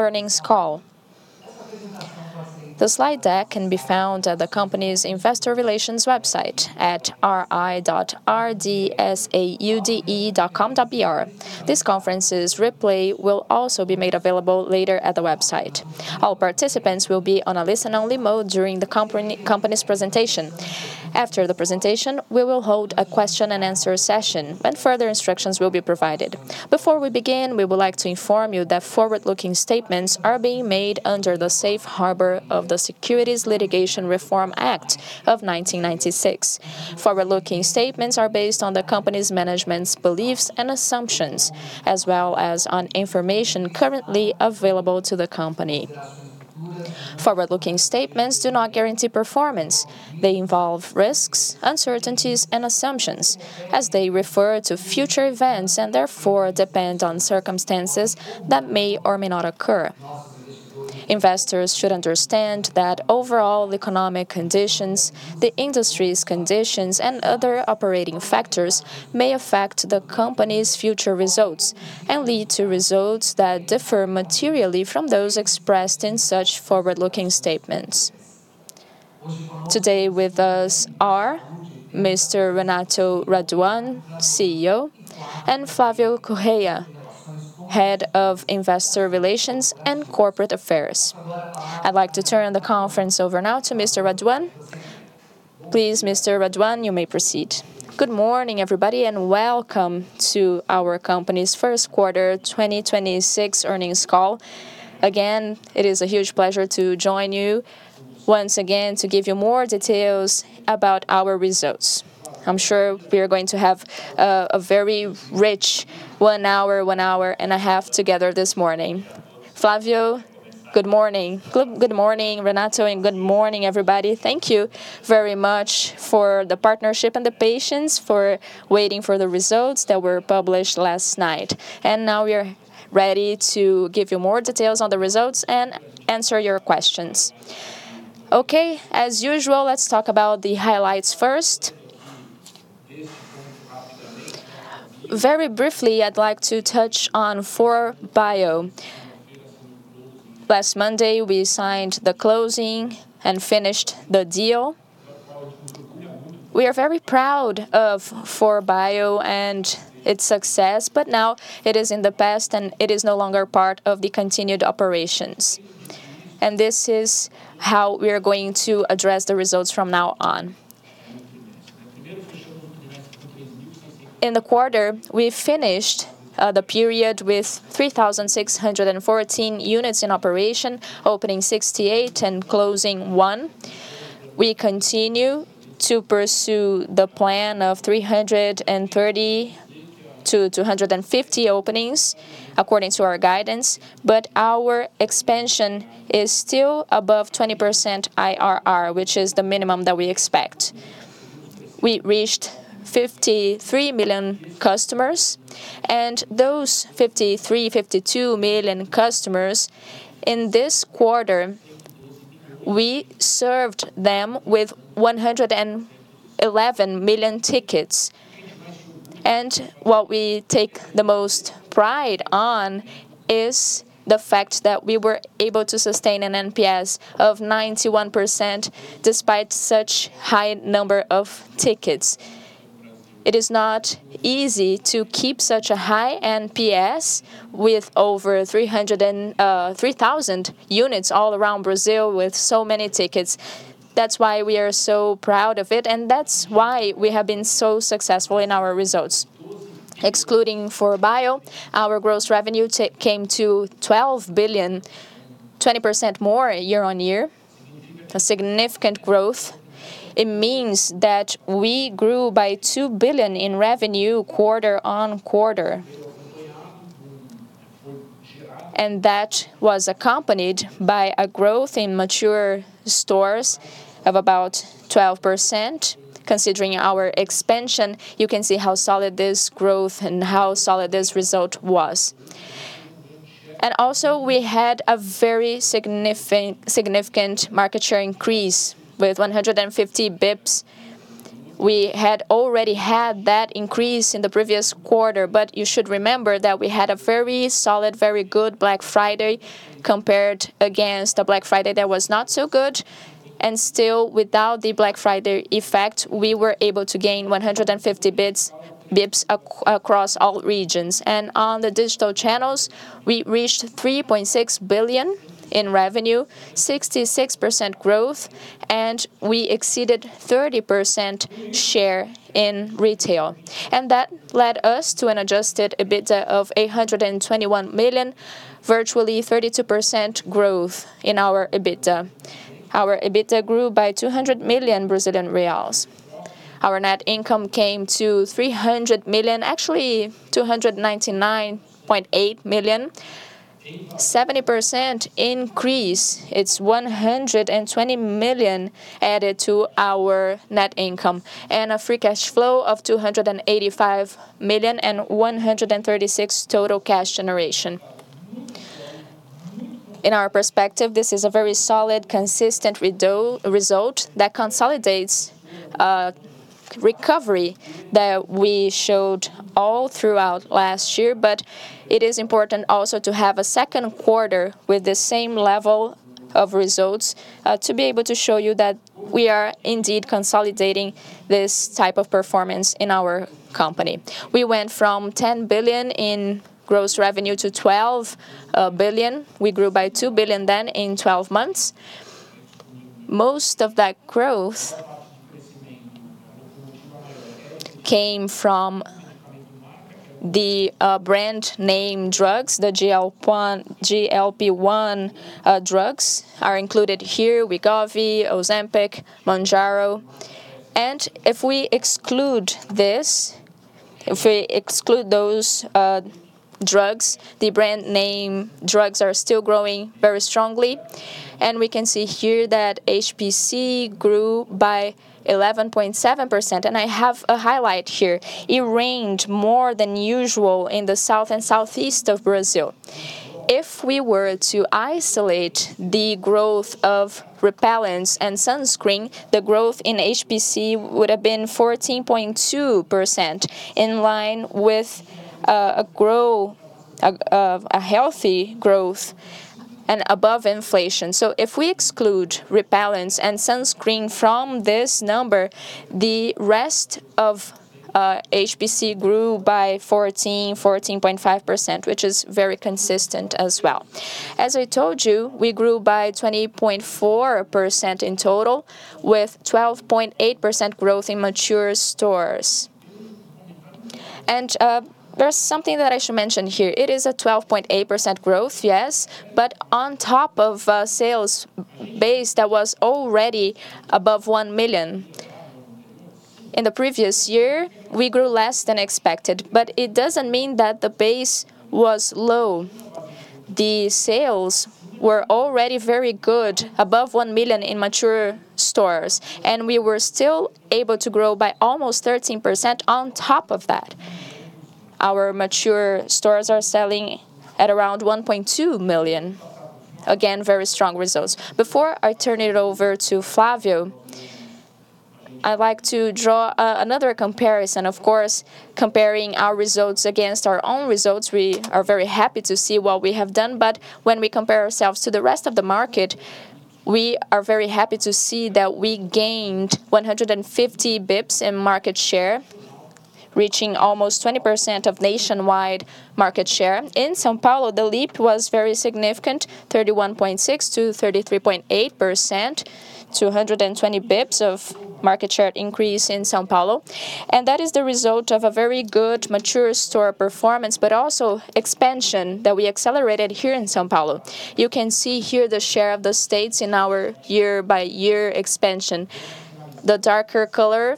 Earnings call. The slide deck can be found at the company's investor relations website at ri.rdsaude.com.br. This conference's replay will also be made available later at the website. All participants will be on a listen-only mode during the company's presentation. After the presentation, we will hold a question and answer session when further instructions will be provided. Before we begin, we would like to inform you that forward-looking statements are being made under the safe harbor of the Private Securities Litigation Reform Act of 1996. Forward-looking statements are based on the company's management's beliefs and assumptions, as well as on information currently available to the company. Forward-looking statements do not guarantee performance. They involve risks, uncertainties, and assumptions as they refer to future events, and therefore depend on circumstances that may or may not occur. Investors should understand that overall economic conditions, the industry's conditions, and other operating factors may affect the company's future results and lead to results that differ materially from those expressed in such forward-looking statements. Today with us are Mr. Renato Raduan, CEO, and Flavio Correia, Head of Investor Relations and Corporate Affairs. I'd like to turn the conference over now to Mr. Raduan. Please, Mr. Raduan, you may proceed. Good morning, everybody, and welcome to our company's first quarter 2026 earnings call. Again, it is a huge pleasure to join you once again to give you more details about our results. I'm sure we are going to have a very rich one hour, one hour and a half together this morning. Flavio, good morning. Good morning, Renato, and good morning, everybody. Thank you very much for the partnership and the patience for waiting for the results that were published last night. Now we are ready to give you more details on the results and answer your questions. Okay. As usual, let's talk about the highlights first. Very briefly, I'd like to touch on 4Bio. Last Monday, we signed the closing and finished the deal. We are very proud of 4Bio and its success, but now it is in the past, and it is no longer part of the continued operations. This is how we are going to address the results from now on. In the quarter, we finished the period with 3,614 units in operation, opening 68 and closing one. We continue to pursue the plan of 330-250 openings according to our guidance, but our expansion is still above 20% IRR, which is the minimum that we expect. We reached 53 million customers, those 53, 52 million customers in this quarter, we served them with 111 million tickets. What we take the most pride on is the fact that we were able to sustain an NPS of 91% despite such high number of tickets. It is not easy to keep such a high NPS with over 3,000 units all around Brazil with so many tickets. That's why we are so proud of it, and that's why we have been so successful in our results. Excluding 4Bio, our gross revenue came to 12 billion, 20% more year-on-year. A significant growth. It means that we grew by 2 billion in revenue quarter-on-quarter. That was accompanied by a growth in mature stores of about 12%. Considering our expansion, you can see how solid this growth and how solid this result was. We had a very significant market share increase with 150 bps. We had already had that increase in the previous quarter, you should remember that we had a very solid, very good Black Friday compared against a Black Friday that was not so good. Without the Black Friday effect, we were able to gain 150 bps across all regions. On the digital channels, we reached 3.6 billion in revenue, 66% growth, and we exceeded 30% share in retail. That led us to an adjusted EBITDA of 821 million, virtually 32% growth in our EBITDA. Our EBITDA grew by 200 million Brazilian reais. Our net income came to 300 million, actually 299.8 million. 70% increase. It's 120 million added to our net income. A free cash flow of 285 million and 136 total cash generation. In our perspective, this is a very solid, consistent result that consolidates Recovery that we showed all throughout last year, but it is important also to have a second quarter with the same level of results to be able to show you that we are indeed consolidating this type of performance in our company. We went from 10 billion in gross revenue to 12 billion. We grew by 2 billion then in 12 months. Most of that growth came from the brand-name drugs, the GLP1 drugs are included here, Wegovy, Ozempic, Mounjaro. If we exclude this, if we exclude those drugs, the brand-name drugs are still growing very strongly. We can see here that HPC grew by 11.7%, and I have a highlight here. It rained more than usual in the South and Southeast of Brazil. If we were to isolate the growth of repellents and sunscreen, the growth in HPC would have been 14.2%, in line with a healthy growth and above inflation. If we exclude repellents and sunscreen from this number, the rest of HPC grew by 14.5%, which is very consistent as well. As I told you, we grew by 20.4% in total, with 12.8% growth in mature stores. There's something that I should mention here. It is a 12.8% growth, yes, but on top of a sales base that was already above 1 million. In the previous year, we grew less than expected, but it doesn't mean that the base was low. The sales were already very good, above 1 million in mature stores, and we were still able to grow by almost 13% on top of that. Our mature stores are selling at around 1.2 million. Again, very strong results. Before I turn it over to Flavio, I'd like to draw another comparison. Of course, comparing our results against our own results, we are very happy to see what we have done. When we compare ourselves to the rest of the market, we are very happy to see that we gained 150 bps in market share, reaching almost 20% of nationwide market share. In São Paulo, the leap was very significant, 31.6% to 33.8%, to 120 bps of market share increase in São Paulo. That is the result of a very good mature store performance, but also expansion that we accelerated here in São Paulo. You can see here the share of the states in our year-by-year expansion. The darker color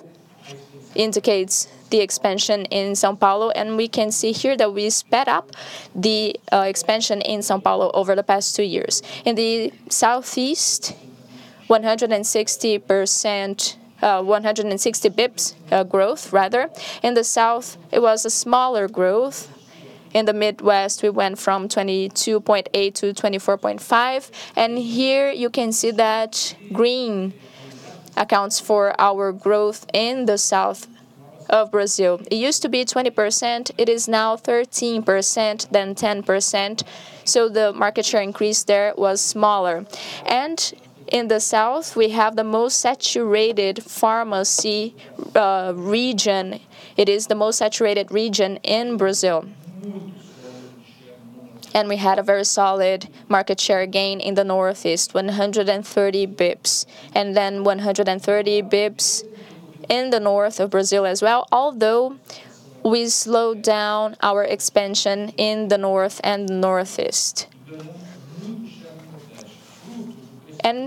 indicates the expansion in São Paulo, and we can see here that we sped up the expansion in São Paulo over the past two years. In the Southeast, 160 bps growth rather. In the South, it was a smaller growth. In the Midwest, we went from 22.8 to 24.5. Here you can see that green accounts for our growth in the south of Brazil. It used to be 20%. It is now 13%, then 10%, so the market share increase there was smaller. In the South, we have the most saturated pharmacy region. It is the most saturated region in Brazil. We had a very solid market share gain in the Northeast, 130 basis points, then 130 basis points in the North of Brazil as well, although we slowed down our expansion in the North and Northeast.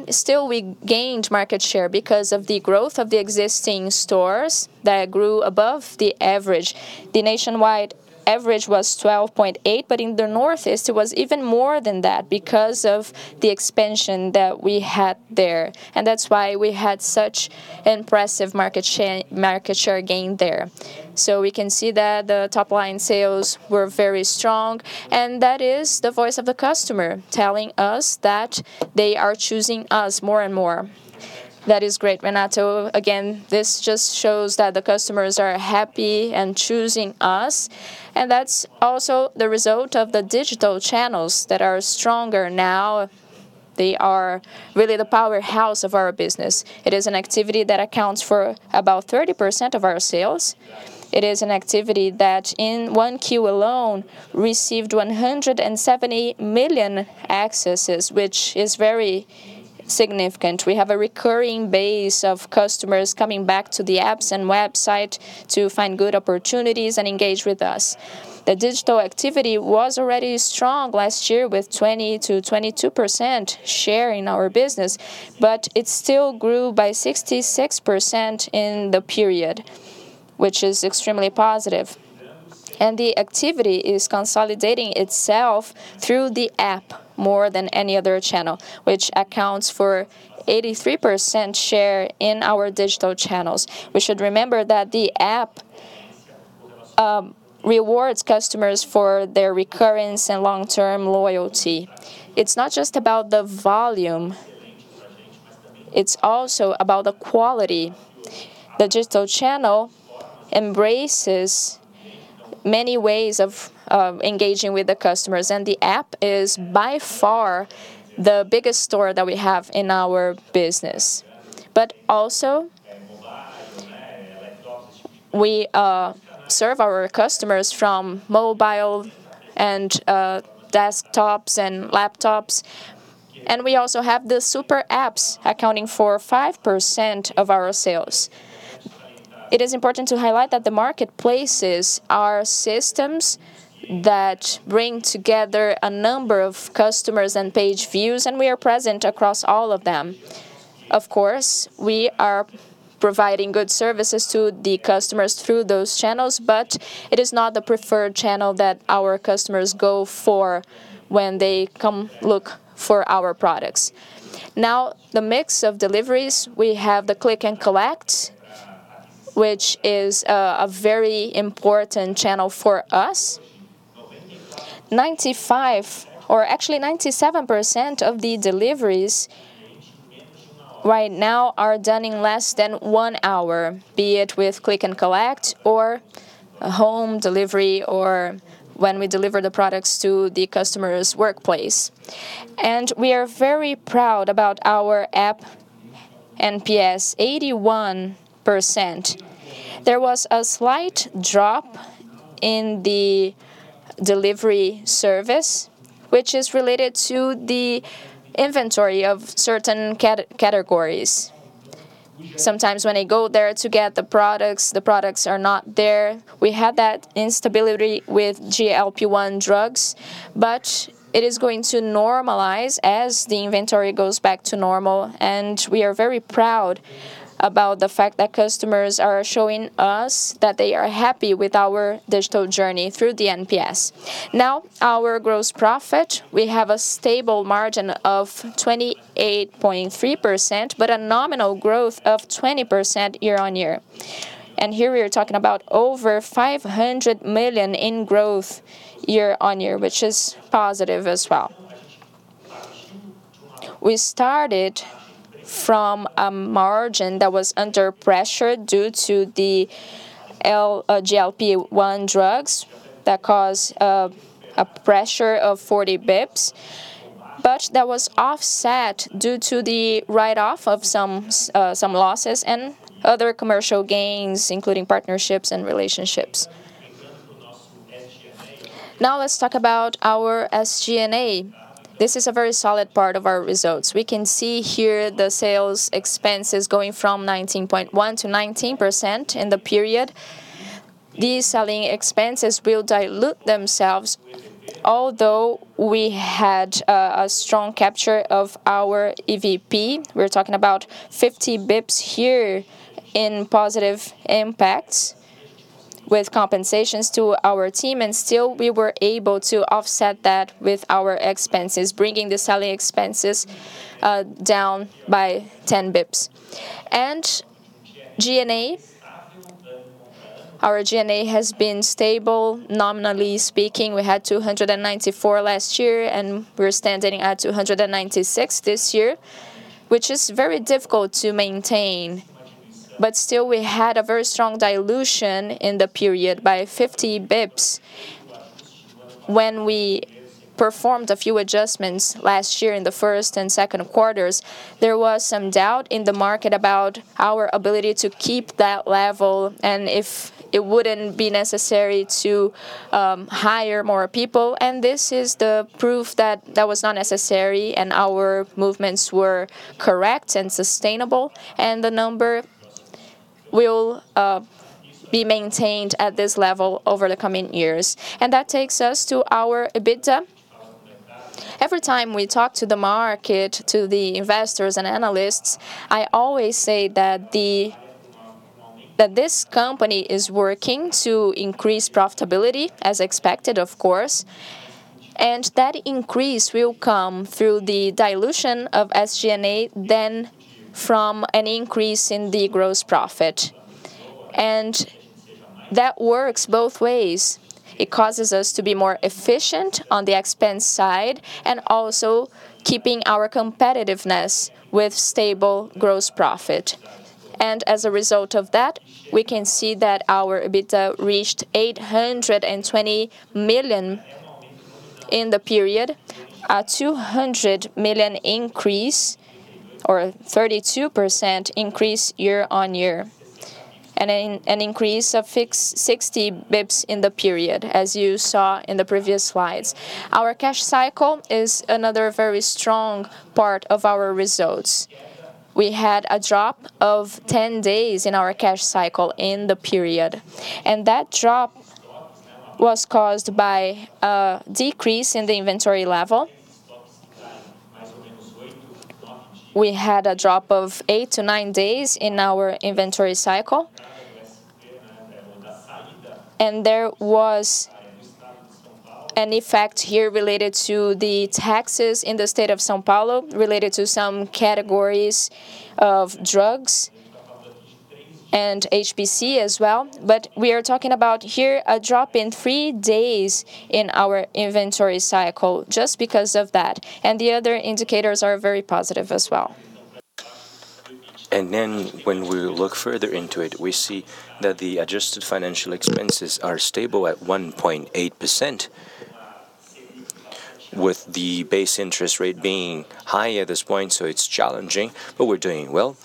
Still, we gained market share because of the growth of the existing stores that grew above the average. The nationwide average was 12.8%, in the Northeast, it was even more than that because of the expansion that we had there. That's why we had such impressive market share gain there. We can see that the top-line sales were very strong, and that is the voice of the customer telling us that they are choosing us more and more. That is great, Renato. Again, this just shows that the customers are happy and choosing us, and that's also the result of the digital channels that are stronger now. They are really the powerhouse of our business. It is an activity that accounts for about 30% of our sales. It is an activity that in 1Q alone received 170 million accesses, which is very significant. We have a recurring base of customers coming back to the apps and website to find good opportunities and engage with us. The digital activity was already strong last year with 20%-22% share in our business, but it still grew by 66% in the period, which is extremely positive. The activity is consolidating itself through the app more than any other channel, which accounts for 83% share in our digital channels. We should remember that the app rewards customers for their recurrence and long-term loyalty. It's not just about the volume, it's also about the quality. The digital channel embraces many ways of engaging with the customers and the app is by far the biggest store that we have in our business. Also, we serve our customers from mobile and desktops and laptops, and we also have the super apps accounting for 5% of our sales. It is important to highlight that the marketplaces are systems that bring together a number of customers and page views, and we are present across all of them. Of course, we are providing good services to the customers through those channels, but it is not the preferred channel that our customers go for when they come look for our products. Now, the mix of deliveries, we have the click and collect, which is a very important channel for us. 95, or actually 97% of the deliveries right now are done in less than one hour, be it with click and collect or home delivery or when we deliver the products to the customer's workplace. We are very proud about our app NPS 81%. There was a slight drop in the delivery service, which is related to the inventory of certain categories. Sometimes when they go there to get the products, the products are not there. We had that instability with GLP-1 drugs, but it is going to normalize as the inventory goes back to normal, and we are very proud about the fact that customers are showing us that they are happy with our digital journey through the NPS. Our gross profit, we have a stable margin of 28.3%, but a nominal growth of 20% year-on-year. Here we are talking about over 500 million in growth year-on-year, which is positive as well. We started from a margin that was under pressure due to the GLP-1 drugs that caused a pressure of 40 bps, but that was offset due to the write-off of some losses and other commercial gains, including partnerships and relationships. Now let's talk about our SG&A. This is a very solid part of our results. We can see here the sales expenses going from 19.1%-19% in the period. These selling expenses will dilute themselves. Although we had a strong capture of our EVP, we're talking about 50 bps here in positive impact with compensations to our team, and still we were able to offset that with our expenses, bringing the selling expenses down by 10 bps. G&A, our G&A has been stable. Nominally speaking, we had 294 last year, and we're standing at 296 this year, which is very difficult to maintain. Still we had a very strong dilution in the period by 50 bps. When we performed a few adjustments last year in the first and second quarters, there was some doubt in the market about our ability to keep that level and if it wouldn't be necessary to hire more people, this is the proof that that was not necessary and our movements were correct and sustainable, the number will be maintained at this level over the coming years. That takes us to our EBITDA. Every time we talk to the market, to the investors and analysts, I always say that that this company is working to increase profitability as expected, of course, and that increase will come through the dilution of SG&A than from an increase in the gross profit. That works both ways. It causes us to be more efficient on the expense side and also keeping our competitiveness with stable gross profit. As a result of that, we can see that our EBITDA reached 820 million in the period, a 200 million increase or 32% increase year-on-year and an increase of 60 bips in the period, as you saw in the previous slides. Our cash cycle is another very strong part of our results. We had a drop of 10 days in our cash cycle in the period. That drop was caused by a decrease in the inventory level. We had a drop of eight to nine days in our inventory cycle. There was an effect here related to the taxes in the state of São Paulo related to some categories of drugs and HPC as well. We are talking about here a drop in three days in our inventory cycle just because of that, and the other indicators are very positive as well. When we look further into it, we see that the adjusted financial expenses are stable at 1.8%, with the base interest rate being high at this point, so it's challenging, but we're doing well.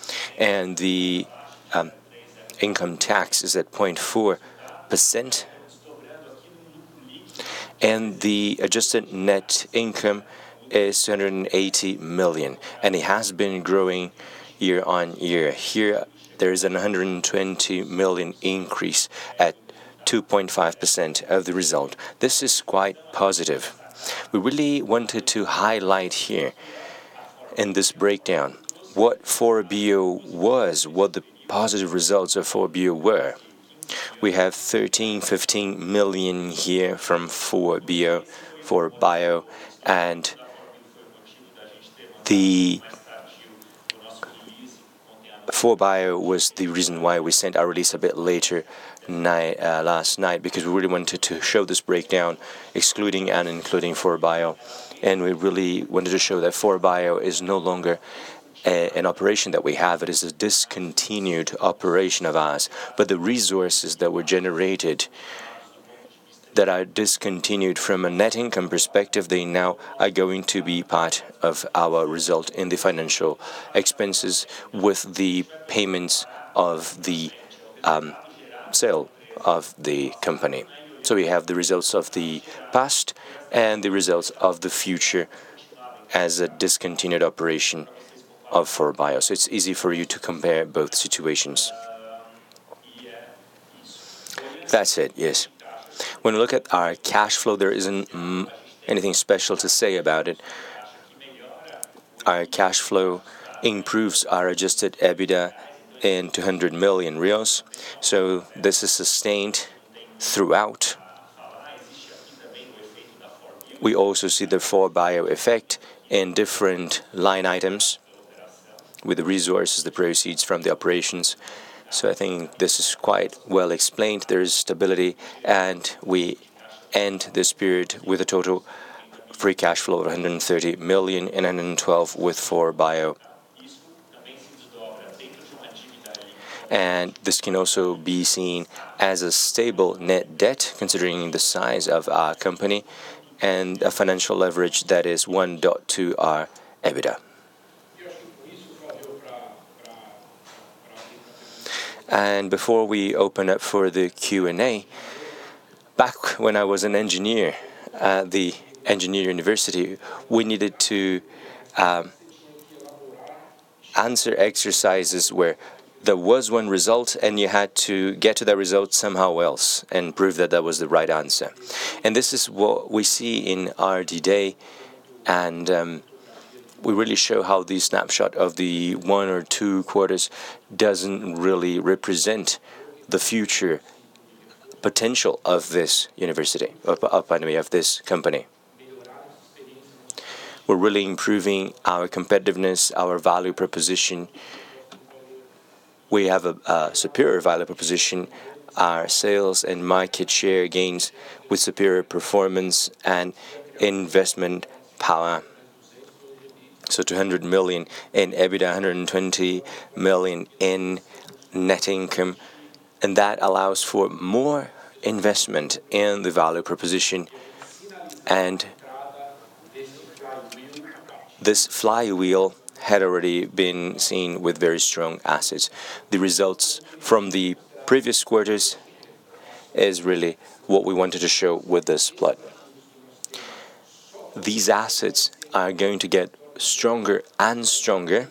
The income tax is at 0.4%. The adjusted net income is 180 million, and it has been growing year-over-year. Here, there is a 120 million increase at 2.5% of the result. This is quite positive. We really wanted to highlight here in this breakdown what 4Bio was, what the positive results of 4Bio were. We have 15 million here from 4Bio, and 4Bio was the reason why we sent our release a bit later last night, because we really wanted to show this breakdown excluding and including 4Bio. We really wanted to show that 4Bio is no longer an operation that we have. It is a discontinued operation of ours. The resources that were generated that are discontinued from a net income perspective, they now are going to be part of our result in the financial expenses with the payments of the sale of the company. We have the results of the past and the results of the future as a discontinued operation of 4Bio. It's easy for you to compare both situations. That's it, yes. When we look at our cash flow, there isn't anything special to say about it. Our cash flow improves our adjusted EBITDA in 200 million. This is sustained throughout. We also see the 4Bio effect in different line items with the resources, the proceeds from the operations. I think this is quite well explained. There is stability, we end this period with a total free cash flow of 130 million and 112 with 4Bio. This can also be seen as a stable net debt considering the size of our company and a financial leverage that is 1x our EBITDA. Before we open up for the Q&A, back when I was an engineer at the engineering university, we needed to answer exercises where there was 1 result and you had to get to that result somehow else and prove that that was the right answer. This is what we see in our D-Day, we really show how the snapshot of the one or two quarters doesn't really represent the future potential of this university or, pardon me, of this company. We're really improving our competitiveness, our value proposition. We have a superior value proposition. Our sales and market share gains with superior performance and investment power. 200 million in EBITDA, 120 million in net income, that allows for more investment in the value proposition. This flywheel had already been seen with very strong assets. The results from the previous quarters is really what we wanted to show with this plot. These assets are going to get stronger and stronger.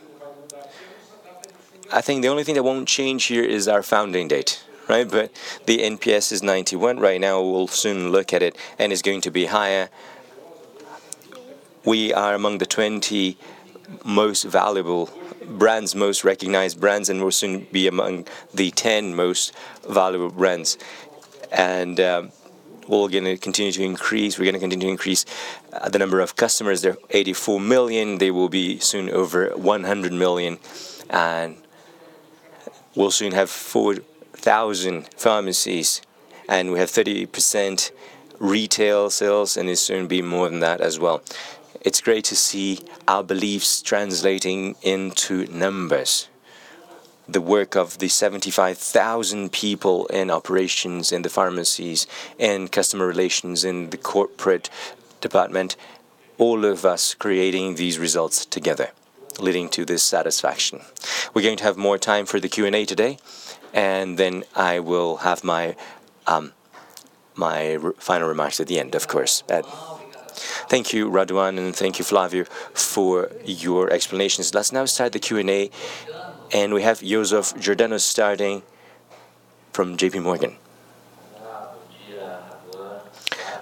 I think the only thing that won't change here is our founding date, right? The NPS is 91 right now. We'll soon look at it and it's going to be higher. We are among the 20 most valuable brands, most recognized brands, we'll soon be among the 10 most valuable brands. We're gonna continue to increase the number of customers. They're 84 million. They will be soon over 100 million. We'll soon have 4,000 pharmacies, and we have 30% retail sales, and it'll soon be more than that as well. It's great to see our beliefs translating into numbers. The work of the 75,000 people in operations, in the pharmacies, in customer relations, in the corporate department, all of us creating these results together, leading to this satisfaction. We're going to have more time for the Q&A today, I will have my final remarks at the end, of course. Thank you, Renato Raduan, and thank you, Flavio, for your explanations. Let's now start the Q&A. We have Joseph Giordano starting from JPMorgan.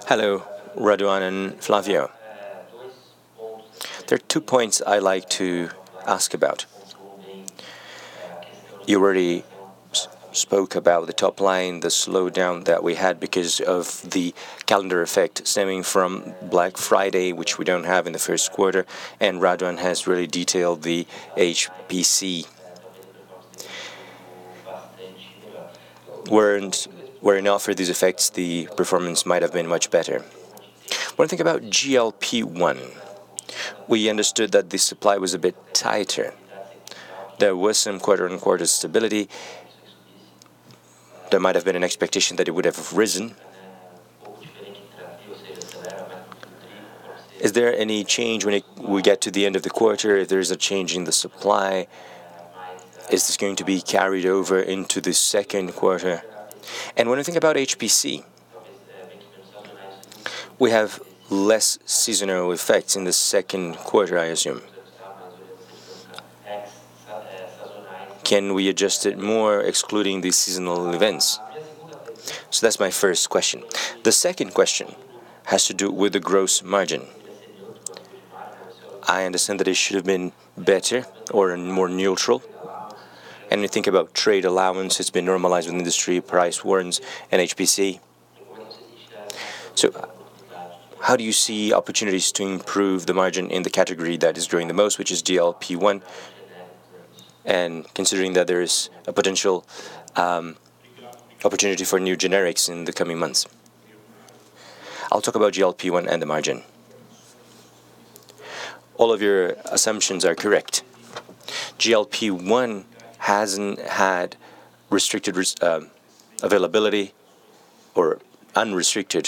Hello, Raduan and Flavio. There are two points I like to ask about. You already spoke about the top line, the slowdown that we had because of the calendar effect stemming from Black Friday, which we don't have in the first quarter, and Raduan has really detailed the HPC. Were it not for these effects, the performance might have been much better. When I think about GLP-1, we understood that the supply was a bit tighter. There was some quarter-on-quarter stability. There might have been an expectation that it would have risen. Is there any change when we get to the end of the quarter, if there's a change in the supply, is this going to be carried over into the second quarter? When I think about HPC, we have less seasonal effects in the second quarter, I assume. Can we adjust it more excluding the seasonal events? That's my first question. The second question has to do with the gross margin. I understand that it should have been better or more neutral. You think about trade allowance has been normalized with industry price warrants and HPC. How do you see opportunities to improve the margin in the category that is growing the most, which is GLP-1, and considering that there is a potential opportunity for new generics in the coming months? I'll talk about GLP-1 and the margin. All of your assumptions are correct. GLP-1 hasn't had restricted availability or unrestricted.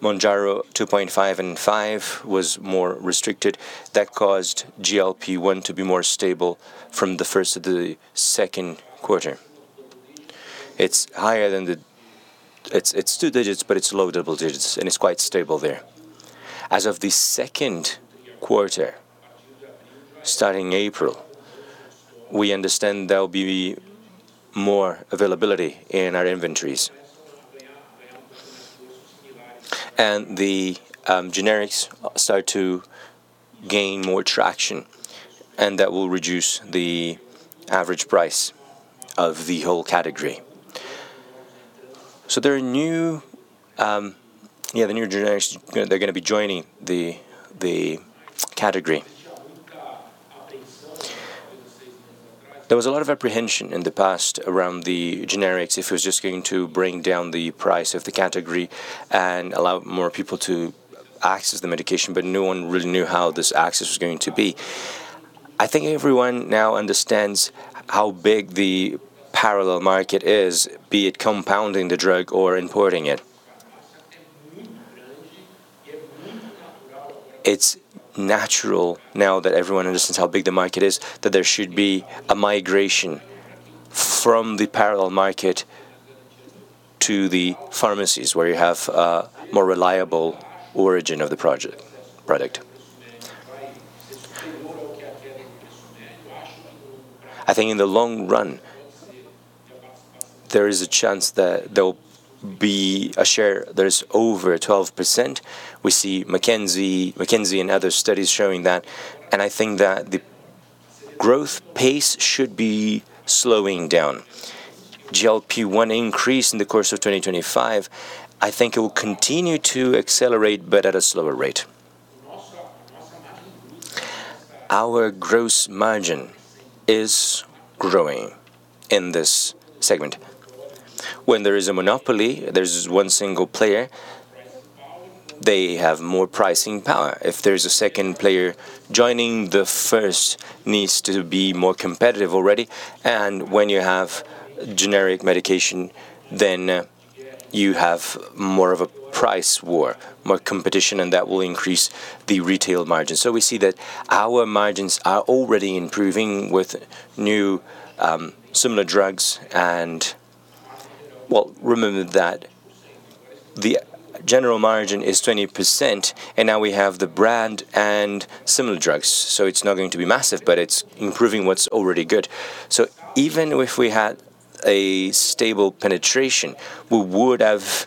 Mounjaro 2.5 and five was more restricted. That caused GLP-1 to be more stable from the first to the second quarter. It's higher than. It's two digits, but it's low double digits, and it's quite stable there. As of the second quarter, starting April, we understand there'll be more availability in our inventories. The generics start to gain more traction, and that will reduce the average price of the whole category. There are new generics, you know, they're gonna be joining the category. There was a lot of apprehension in the past around the generics if it was just going to bring down the price of the category and allow more people to access the medication, but no one really knew how this access was going to be. I think everyone now understands how big the parallel market is, be it compounding the drug or importing it. It's natural now that everyone understands how big the market is, that there should be a migration from the parallel market to the pharmacies where you have a more reliable origin of the product. I think in the long run, there is a chance that there'll be a share that is over 12%. We see McKinsey and other studies showing that. I think that the growth pace should be slowing down. GLP-1 increase in the course of 2025, I think it will continue to accelerate, at a slower rate. Our gross margin is growing in this segment. When there is a monopoly, there's one single player, they have more pricing power. If there's a second player joining, the first needs to be more competitive already. When you have generic medication, then you have more of a price war, more competition, and that will increase the retail margin. We see that our margins are already improving with new similar drugs and Well, remember that the general margin is 20%, and now we have the brand and similar drugs. It's not going to be massive, but it's improving what's already good. Even if we had a stable penetration, we would have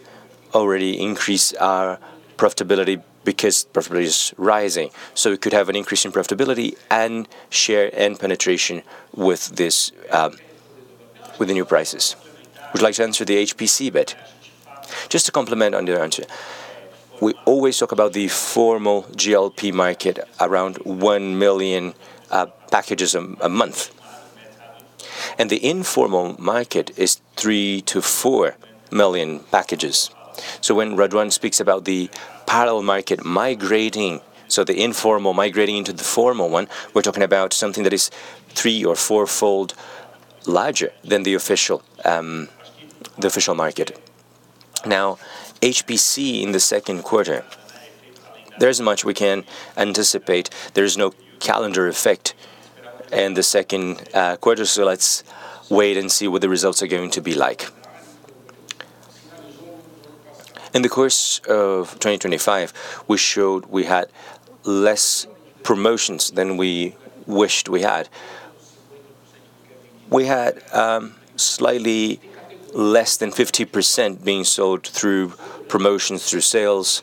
already increased our profitability because profitability is rising. We could have an increase in profitability and share and penetration with this with the new prices. Would you like to answer the HPC bit? Just to complement on your answer. We always talk about the formal GLP market around 1 million packages a month. The informal market is 3 million-4 million packages. When Raduan speaks about the parallel market migrating, the informal migrating into the formal one, we're talking about something that is three or four-fold larger than the official, the official market. HPC in the second quarter, there isn't much we can anticipate. There's no calendar effect in the second quarter, let's wait and see what the results are going to be like. In the course of 2025, we showed we had less promotions than we wished we had. We had slightly less than 50% being sold through promotions, through sales.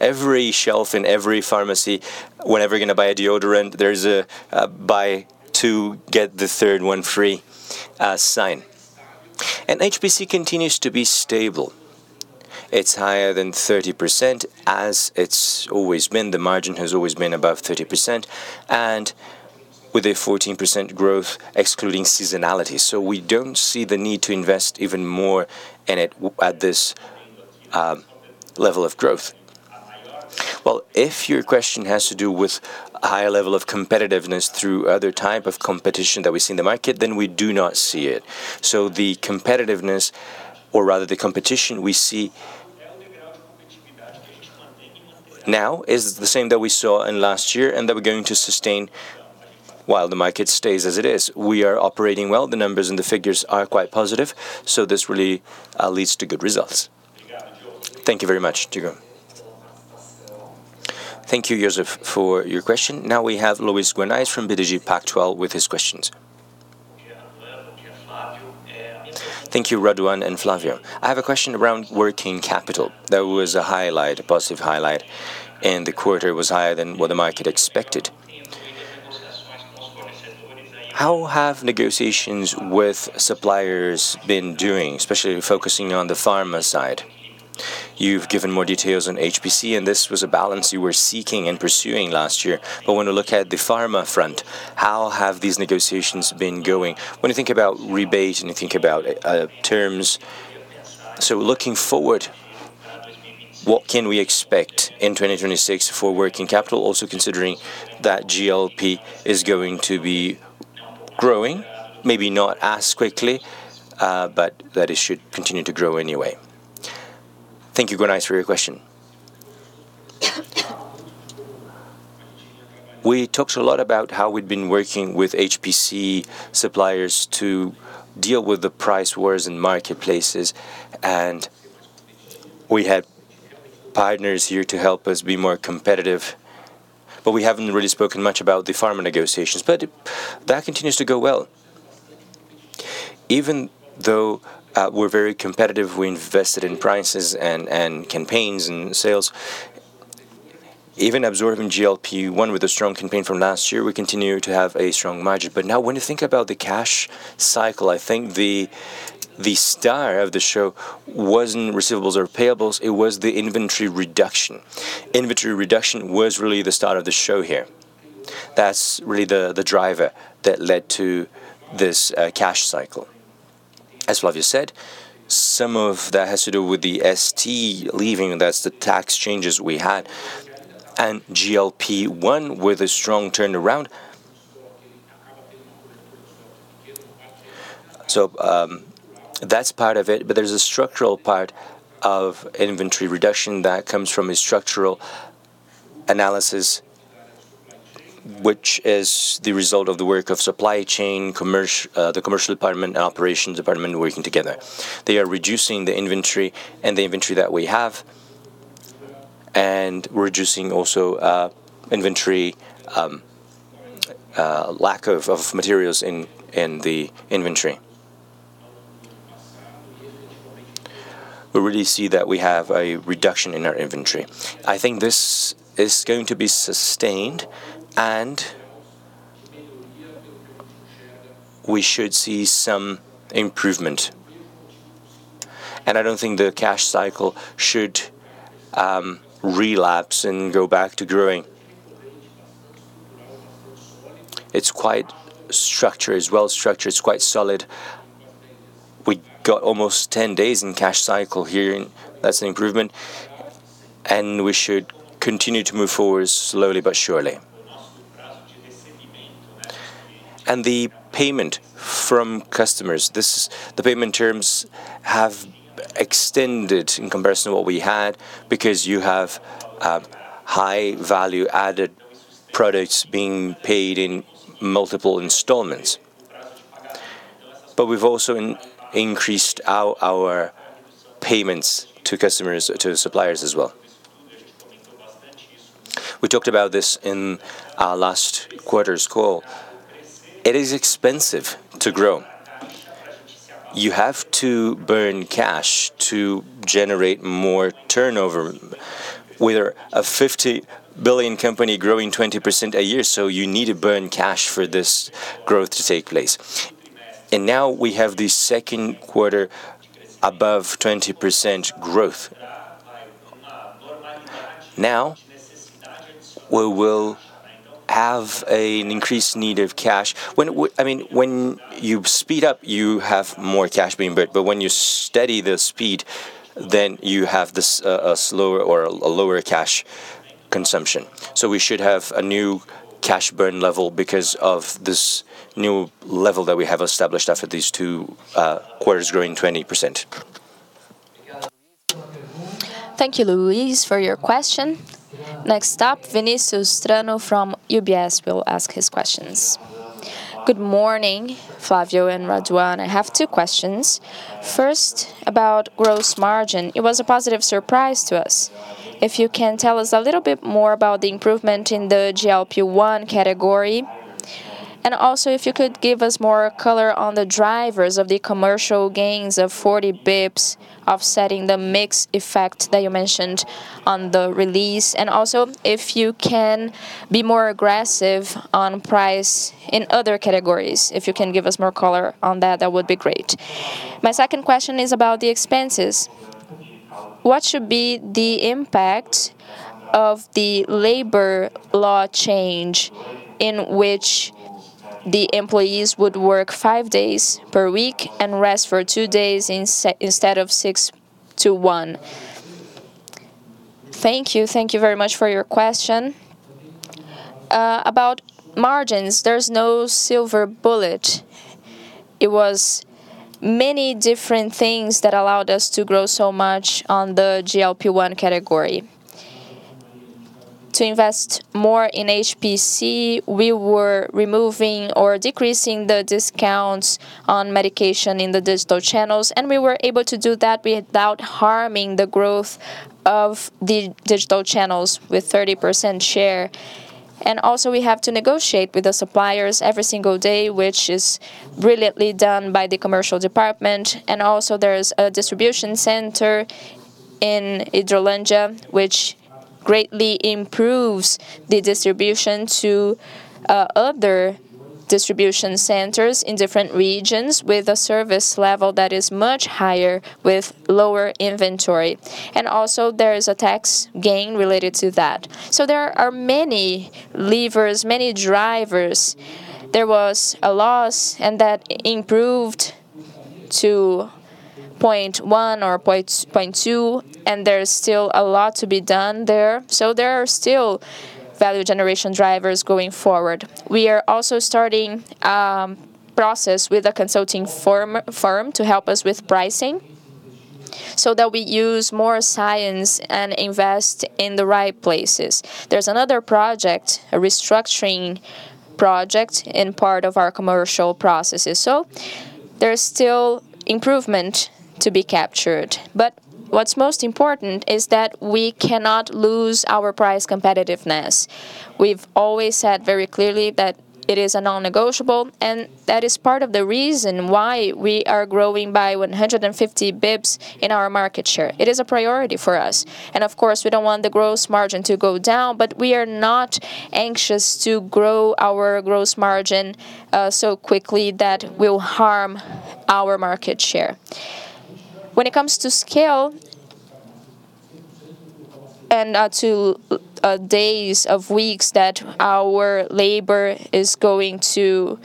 Every shelf in every pharmacy, whenever you're going to buy a deodorant, there's a buy two, get the third one free sign. HPC continues to be stable. It's higher than 30% as it's always been. The margin has always been above 30%, and with a 14% growth excluding seasonality. We don't see the need to invest even more in it at this level of growth. If your question has to do with higher level of competitiveness through other type of competition that we see in the market, then we do not see it. The competitiveness, or rather the competition we see now is the same that we saw in last year, and that we're going to sustain while the market stays as it is. We are operating well. The numbers and the figures are quite positive, this really leads to good results. Thank you very much, Diego. Thank you, Joseph, for your question. Now we have Luiz Guanais from BTG Pactual with his questions. Thank you, Raduan and Flavio. I have a question around working capital. That was a highlight, a positive highlight, and the quarter was higher than what the market expected. How have negotiations with suppliers been doing, especially focusing on the pharma side? You've given more details on HPC, and this was a balance you were seeking and pursuing last year. When you look at the pharma front, how have these negotiations been going? When you think about rebates and you think about terms. Looking forward, what can we expect in 2026 for working capital, also considering that GLP is going to be growing, maybe not as quickly, but that it should continue to grow anyway. Thank you, Guanais, for your question. We talked a lot about how we'd been working with HPC suppliers to deal with the price wars in marketplaces, and we had partners here to help us be more competitive. We haven't really spoken much about the pharma negotiations. That continues to go well. Even though we're very competitive, we invested in prices and campaigns and sales. Even absorbing GLP-1 with a strong campaign from last year, we continue to have a strong margin. Now when you think about the cash cycle, I think the star of the show wasn't receivables or payables, it was the inventory reduction. Inventory reduction was really the star of the show here. That's really the driver that led to this cash cycle. As Flavio said, some of that has to do with the ST leaving, that's the tax changes we had, and GLP-1 with a strong turnaround. That's part of it, but there's a structural part of inventory reduction that comes from a structural analysis, which is the result of the work of supply chain, the commercial department and operations department working together. They are reducing the inventory and the inventory that we have, and reducing also inventory, lack of materials in the inventory. We really see that we have a reduction in our inventory. I think this is going to be sustained and we should see some improvement. I don't think the cash cycle should relapse and go back to growing. It's quite structured. It's well-structured. It's quite solid. We got almost 10 days in cash cycle here, and that's an improvement. We should continue to move forward slowly but surely. The payment from customers, the payment terms have extended in comparison to what we had because you have high value-added products being paid in multiple installments. We've also increased our payments to suppliers as well. We talked about this in our last quarter's call. It is expensive to grow. You have to burn cash to generate more turnover. We're a 50 billion company growing 20% a year, so you need to burn cash for this growth to take place. Now we have the second quarter above 20% growth. Now, we will have an increased need of cash. When I mean, when you speed up, you have more cash being burnt, but when you steady the speed, then you have this, a slower or a lower cash consumption. We should have a new cash burn level because of this new level that we have established after these two quarters growing 20%. Thank you, Luiz, for your question. Next up, Vinícius Strano from UBS will ask his questions. Good morning, Flavio and Raduan. I have two questions. First, about gross margin. It was a positive surprise to us. If you can tell us a little bit more about the improvement in the GLP-1 category. If you could give us more color on the drivers of the commercial gains of 40 bps offsetting the mix effect that you mentioned on the release. If you can be more aggressive on price in other categories. If you can give us more color on that would be great. My second question is about the expenses. What should be the impact of the labor law change in which the employees would work five days per week and rest for two days instead of six to one? Thank you. Thank you very much for your question. About margins, there's no silver bullet. It was many different things that allowed us to grow so much on the GLP-1 category. To invest more in HPC, we were removing or decreasing the discounts on medication in the digital channels, and we were able to do that without harming the growth of the digital channels with 30% share. We have to negotiate with the suppliers every single day, which is brilliantly done by the commercial department. There's a distribution center in Hidrolândia, which greatly improves the distribution to other distribution centers in different regions with a service level that is much higher with lower inventory. There is a tax gain related to that. There are many levers, many drivers. There was a loss, and that improved to 0.1 or 0.2, and there is still a lot to be done there. There are still value generation drivers going forward. We are also starting a process with a consulting firm to help us with pricing so that we use more science and invest in the right places. There's another project, a restructuring project in part of our commercial processes. There's still improvement to be captured. But what's most important is that we cannot lose our price competitiveness. We've always said very clearly that it is a non-negotiable, and that is part of the reason why we are growing by 150 bps in our market share. It is a priority for us. Of course, we don't want the gross margin to go down, but we are not anxious to grow our gross margin so quickly that will harm our market share. When it comes to scale and to days of weeks that our labor is going to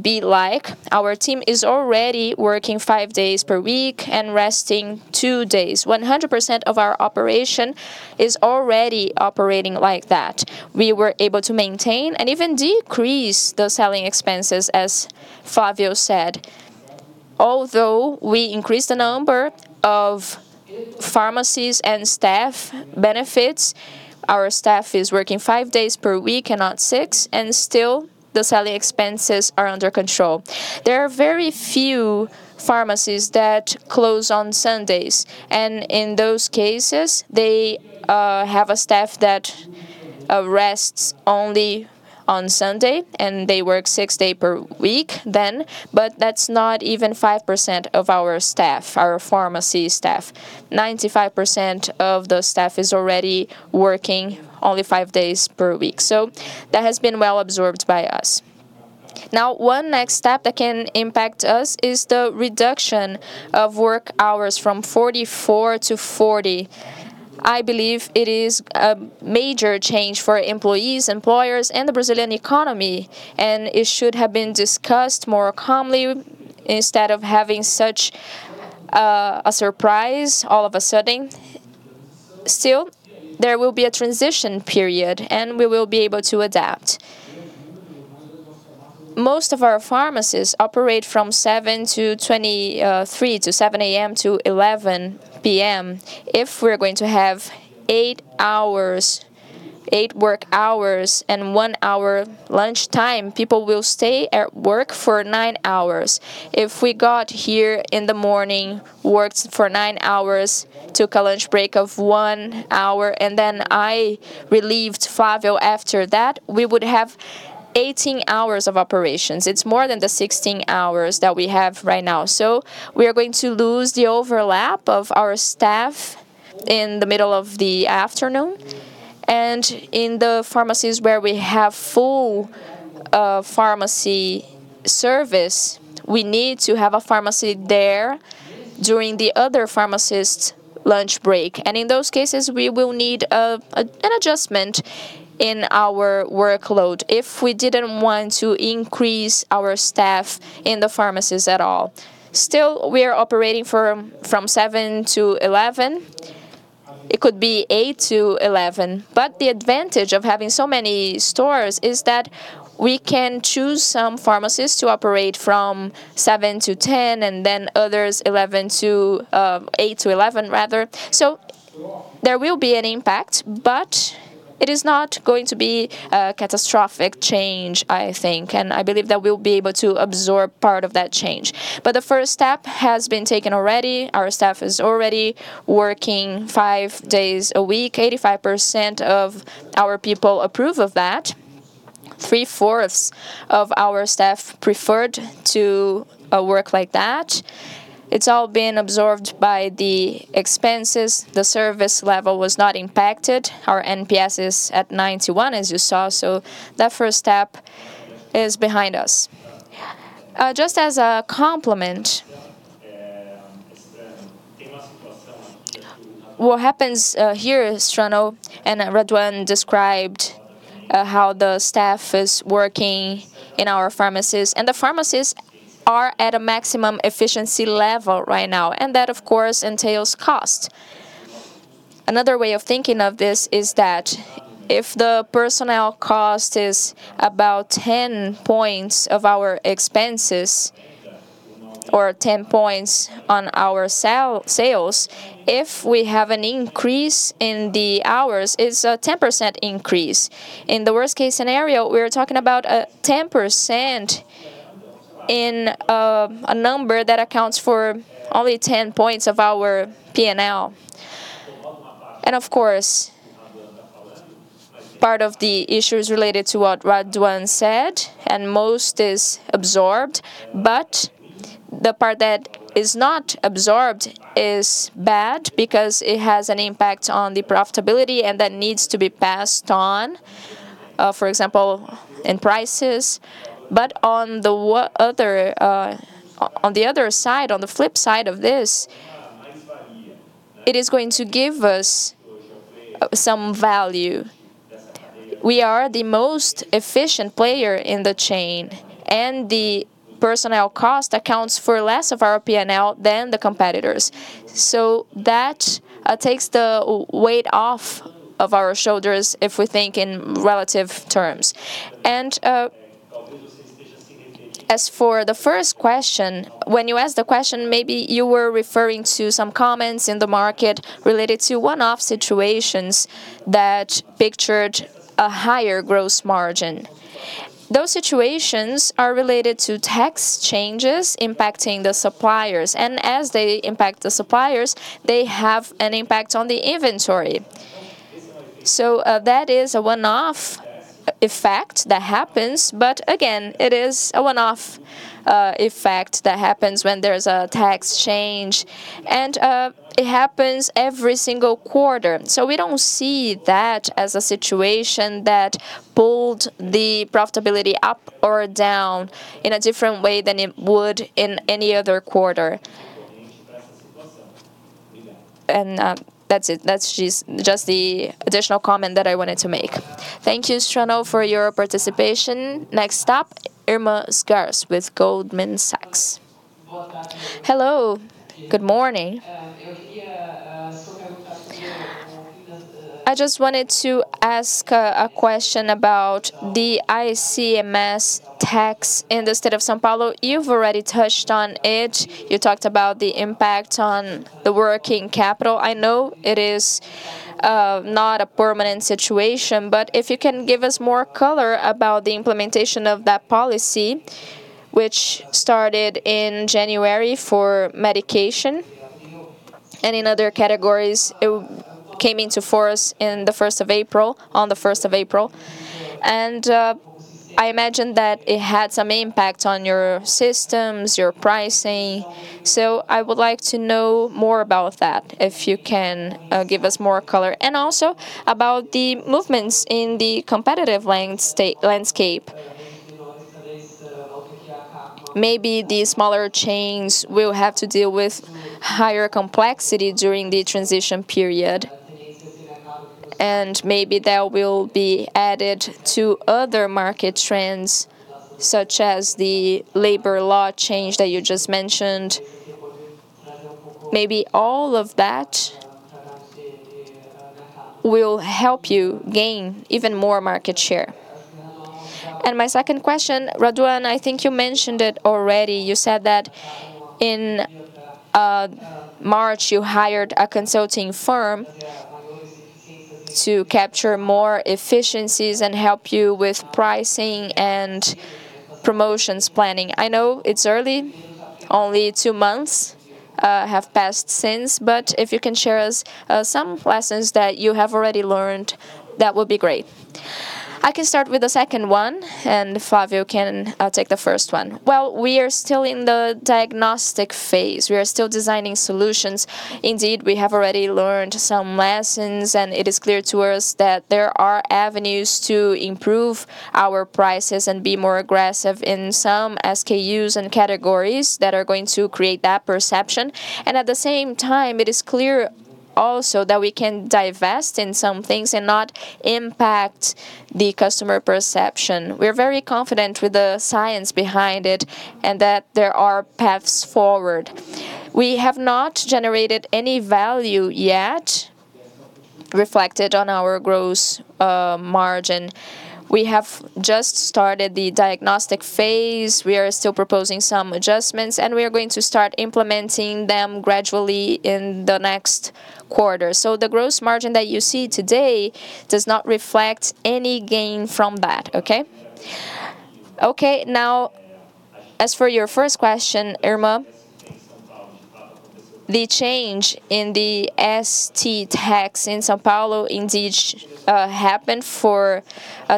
be like, our team is already working five days per week and resting two days. 100% of our operation is already operating like that. We were able to maintain and even decrease the selling expenses, as Flavio said. Although we increased the number of pharmacies and staff benefits, our staff is working five days per week and not six, and still the selling expenses are under control. There are very few pharmacies that close on Sundays, and in those cases, they have a staff that rests only on Sunday, and they work six days per week then. That's not even 5% of our staff, our pharmacy staff. 95% of the staff is already working only five days per week. That has been well-absorbed by us. Now, one next step that can impact us is the reduction of work hours from 44-40. I believe it is a major change for employees, employers, and the Brazilian economy. It should have been discussed more calmly instead of having such a surprise all of a sudden. Still, there will be a transition period. We will be able to adapt. Most of our pharmacies operate from 7:00 A.M.-11:00 P.M. If we're going to have eight hours, eight work hours and one hour lunchtime, people will stay at work for nine hours. If we got here in the morning, worked for nine hours, took a lunch break of one hour, and then I relieved Flavio after that, we would have 18 hours of operations. It's more than the 16 hours that we have right now. We are going to lose the overlap of our staff in the middle of the afternoon. In the pharmacies where we have full pharmacy service, we need to have a pharmacy there during the other pharmacist's lunch break. In those cases, we will need an adjustment in our workload if we didn't want to increase our staff in the pharmacies at all. Still, we are operating from seven to 11. It could be eight to 11. The advantage of having so many stores is that we can choose some pharmacies to operate from seven to 10, and then others 11 to eight to 11 rather. There will be an impact, but it is not going to be a catastrophic change, I think. I believe that we'll be able to absorb part of that change. The first step has been taken already. Our staff is already working five days a week. 85% of our people approve of that. 3/4 of our staff preferred to work like that. It's all been absorbed by the expenses. The service level was not impacted. Our NPS is at 91, as you saw. That first step is behind us. Just as a complement, what happens, here is Strano and Raduan described, how the staff is working in our pharmacies, and the pharmacies are at a maximum efficiency level right now, and that, of course, entails cost. Another way of thinking of this is that if the personnel cost is about 10 points of our expenses or 10 points on our sales, if we have an increase in the hours, it's a 10% increase. In the worst-case scenario, we're talking about 10% in a number that accounts for only 10 points of our P&L. Of course, part of the issue is related to what Raduan said, and most is absorbed. The part that is not absorbed is bad because it has an impact on the profitability, and that needs to be passed on, for example, in prices. On the other side, on the flip side of this, it is going to give us some value. We are the most efficient player in the chain, the personnel cost accounts for less of our P&L than the competitors. That takes the weight off of our shoulders if we think in relative terms. As for the first question, when you asked the question, maybe you were referring to some comments in the market related to one-off situations that pictured a higher gross margin. Those situations are related to tax changes impacting the suppliers, and as they impact the suppliers, they have an impact on the inventory. That is a one-off effect that happens, but again, it is a one-off effect that happens when there's a tax change, and it happens every single quarter. We don't see that as a situation that pulled the profitability up or down in a different way than it would in any other quarter. That's it. That's just the additional comment that I wanted to make. Thank you, Strano, for your participation. Next up, Irma Sgarz with Goldman Sachs. Hello, good morning. I just wanted to ask a question about the ICMS tax in the state of São Paulo. You've already touched on it. You talked about the impact on the working capital. I know it is not a permanent situation, but if you can give us more color about the implementation of that policy, which started in January for medication. In other categories, it came into force in the 1st of April. I imagine that it had some impact on your systems, your pricing. I would like to know more about that, if you can give us more color. Also about the movements in the competitive landscape. Maybe the smaller chains will have to deal with higher complexity during the transition period. Maybe that will be added to other market trends, such as the labor law change that you just mentioned. Maybe all of that will help you gain even more market share. My second question, Raduan, I think you mentioned it already. You said that in March, you hired a consulting firm to capture more efficiencies and help you with pricing and promotions planning. I know it's early, only two months have passed since, but if you can share us some lessons that you have already learned, that would be great. I can start with the second one, and Flavio can take the first one. Well, we are still in the diagnostic phase. We are still designing solutions. Indeed, we have already learned some lessons, and it is clear to us that there are avenues to improve our prices and be more aggressive in some SKUs and categories that are going to create that perception. At the same time, it is clear also that we can divest in some things and not impact the customer perception. We're very confident with the science behind it and that there are paths forward. We have not generated any value yet reflected on our gross margin. We have just started the diagnostic phase. We are still proposing some adjustments, and we are going to start implementing them gradually in the next quarter. The gross margin that you see today does not reflect any gain from that. As for your first question, Irma. The change in the ST tax in São Paulo indeed happened for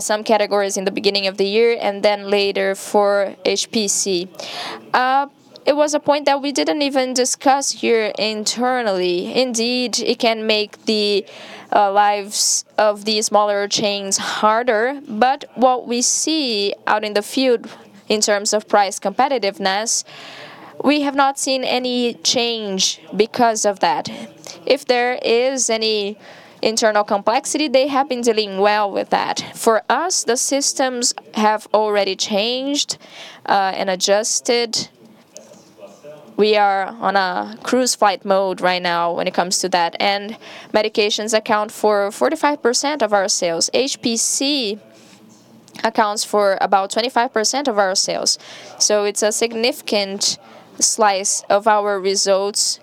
some categories in the beginning of the year and then later for HPC. It was a point that we didn't even discuss here internally. Indeed, it can make the lives of the smaller chains harder. What we see out in the field in terms of price competitiveness, we have not seen any change because of that. If there is any internal complexity, they have been dealing well with that. For us, the systems have already changed and adjusted. We are on a cruise flight mode right now when it comes to that, and medications account for 45% of our sales. HPC accounts for about 25% of our sales, so it's a significant slice of our results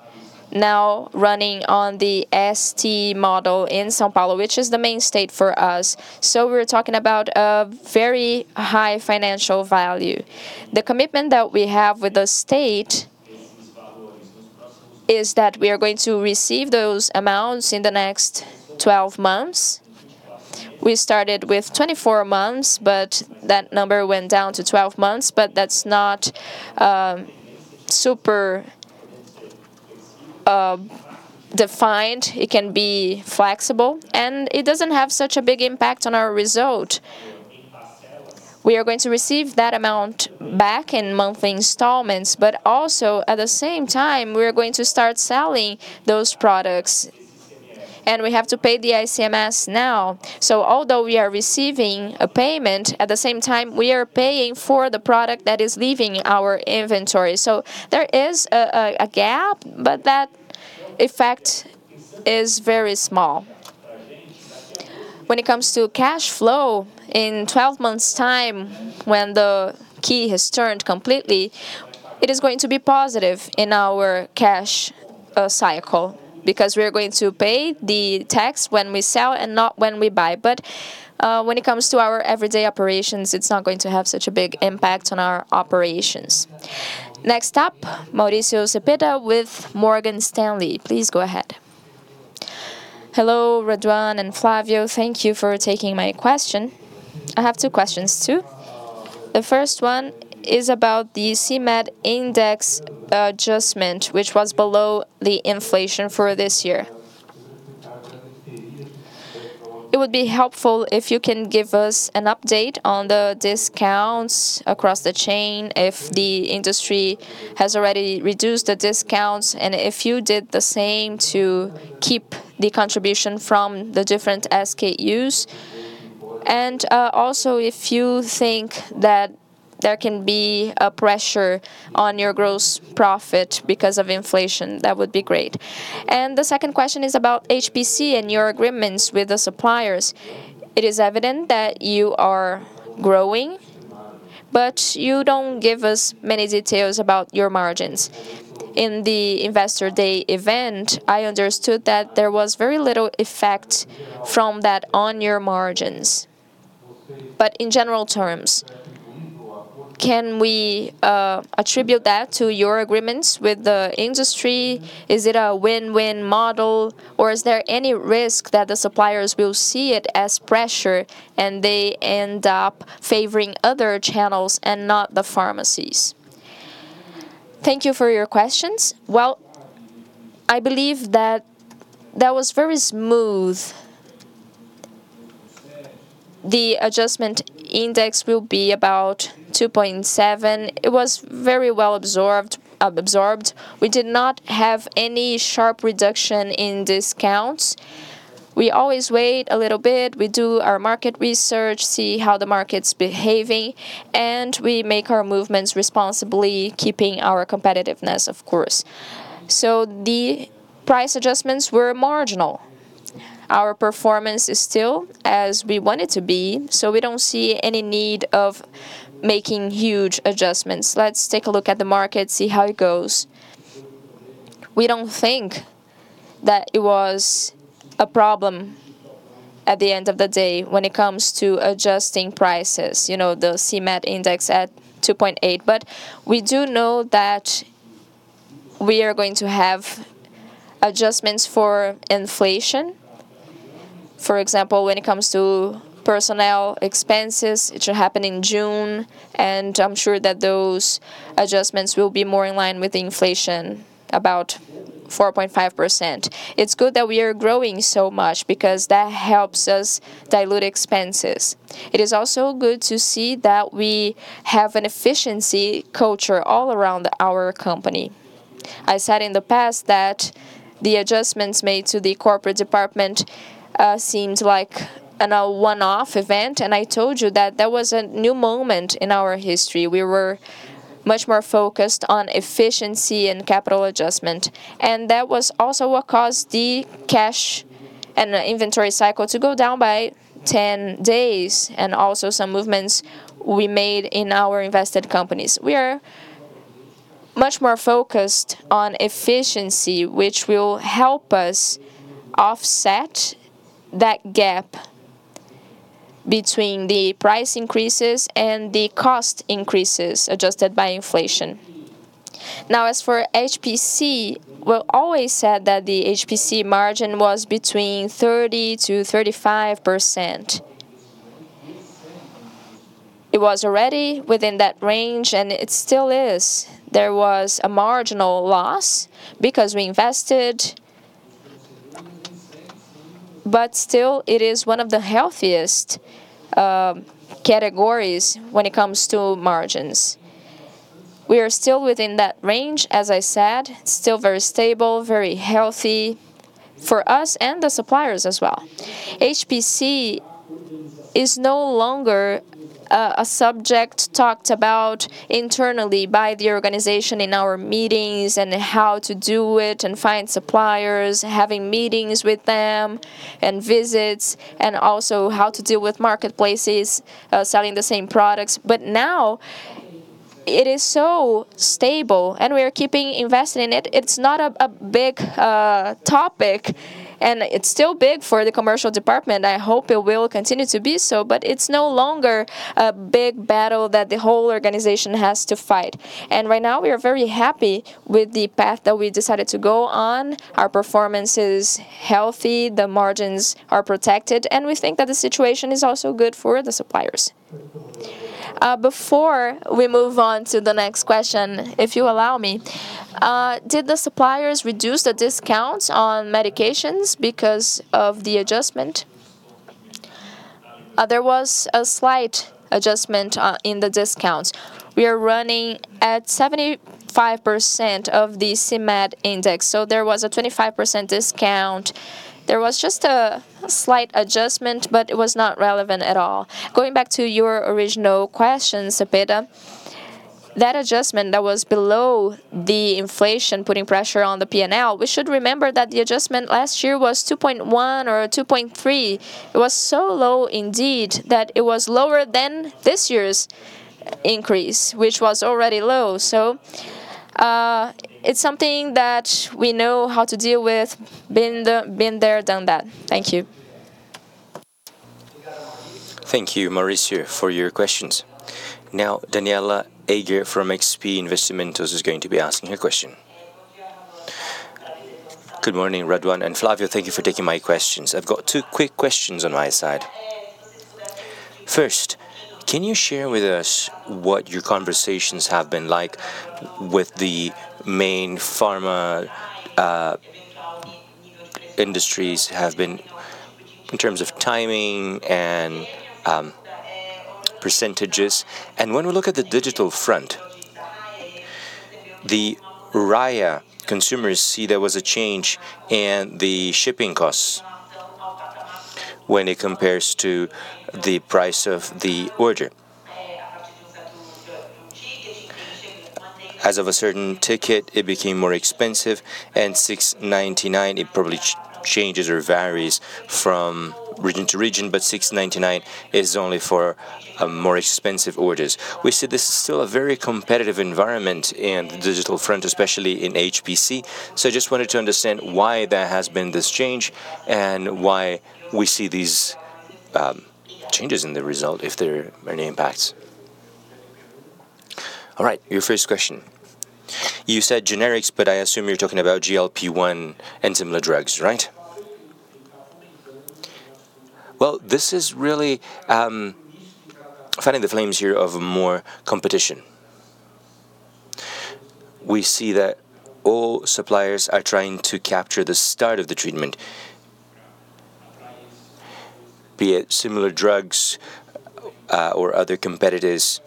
now running on the ST model in São Paulo, which is the main state for us. We are talking about a very high financial value. The commitment that we have with the state is that we are going to receive those amounts in the next 12 months. We started with 24 months, but that number went down to 12 months, but that's not super defined. It can be flexible, and it doesn't have such a big impact on our result. We are going to receive that amount back in monthly installments, but also, at the same time, we are going to start selling those products, and we have to pay the ICMS now. Although we are receiving a payment, at the same time, we are paying for the product that is leaving our inventory. There is a gap, but that effect is very small. When it comes to cash flow, in 12 months' time, when the key has turned completely, it is going to be positive in our cash cycle because we are going to pay the tax when we sell and not when we buy. When it comes to our everyday operations, it is not going to have such a big impact on our operations. Next up, Mauricio Cepeda with Morgan Stanley. Please go ahead. Hello, Renato Raduan and Flavio. Thank you for taking my question. I have two questions too. The first one is about the CMED index adjustment, which was below the inflation for this year. It would be helpful if you can give us an update on the discounts across the chain, if the industry has already reduced the discounts, and if you did the same to keep the contribution from the different SKUs. Also, if you think that there can be a pressure on your gross profit because of inflation, that would be great. The second question is about HPC and your agreements with the suppliers. It is evident that you are growing, but you don't give us many details about your margins. In the Investor Day event, I understood that there was very little effect from that on your margins. In general terms, can we attribute that to your agreements with the industry? Is it a win-win model, or is there any risk that the suppliers will see it as pressure and they end up favoring other channels and not the pharmacies? Thank you for your questions. Well, I believe that that was very smooth. The adjustment index will be about 2.7. It was very well absorbed. We did not have any sharp reduction in discounts. We always wait a little bit. We do our market research, see how the market's behaving, and we make our movements responsibly, keeping our competitiveness, of course. The price adjustments were marginal. Our performance is still as we want it to be, so we don't see any need of making huge adjustments. Let's take a look at the market, see how it goes. We don't think that it was a problem at the end of the day when it comes to adjusting prices, you know, the CMED index at 2.8. We do know that we are going to have adjustments for inflation. For example, when it comes to personnel expenses, it should happen in June, and I'm sure that those adjustments will be more in line with inflation, about 4.5%. It's good that we are growing so much because that helps us dilute expenses. It is also good to see that we have an efficiency culture all around our company. I said in the past that the adjustments made to the corporate department, seems like a one-off event, and I told you that that was a new moment in our history. We were much more focused on efficiency and capital adjustment, and that was also what caused the cash and inventory cycle to go down by 10 days and also some movements we made in our invested companies. We are much more focused on efficiency, which will help us offset that gap between the price increases and the cost increases adjusted by inflation. As for HPC, we always said that the HPC margin was between 30%-35%. It was already within that range, and it still is. There was a marginal loss because we invested. Still, it is one of the healthiest categories when it comes to margins. We are still within that range, as I said, still very stable, very healthy for us and the suppliers as well. HPC is no longer a subject talked about internally by the organization in our meetings and how to do it and find suppliers, having meetings with them and visits, and also how to deal with marketplaces selling the same products. Now it is so stable, and we are keeping investing in it. It's not a big topic, and it's still big for the commercial department. I hope it will continue to be so, but it's no longer a big battle that the whole organization has to fight. Right now we are very happy with the path that we decided to go on. Our performance is healthy, the margins are protected, and we think that the situation is also good for the suppliers. Before we move on to the next question, if you allow me, did the suppliers reduce the discounts on medications because of the adjustment? There was a slight adjustment in the discounts. We are running at 75% of the CMED index, so there was a 25% discount. There was just a slight adjustment, but it was not relevant at all. Going back to your original question, Cepeda, that adjustment that was below the inflation putting pressure on the P&L, we should remember that the adjustment last year was 2.1 or 2.3. It was so low indeed that it was lower than this year's increase, which was already low. It's something that we know how to deal with. Been there, done that. Thank you. Thank you, Mauricio, for your questions. Now, Danniela Eiger from XP Investimentos is going to be asking her question. Good morning, Renato Raduan and Flavio. Thank you for taking my questions. I've got two quick questions on my side. First, can you share with us what your conversations have been like with the main pharma, industries have been in terms of timing and percentages? When we look at the digital front, the Raia consumers see there was a change in the shipping costs when it compares to the price of the order. As of a certain ticket, it became more expensive and 6.99, it probably changes or varies from region to region, but 6.99 is only for more expensive orders. We see this is still a very competitive environment in the digital front, especially in HPC. I just wanted to understand why there has been this change and why we see these changes in the result if there are any impacts. All right. Your first question. You said generics, but I assume you're talking about GLP-1 and similar drugs, right? This is really fighting the flames here of more competition. We see that all suppliers are trying to capture the start of the treatment, be it similar drugs or other competitors.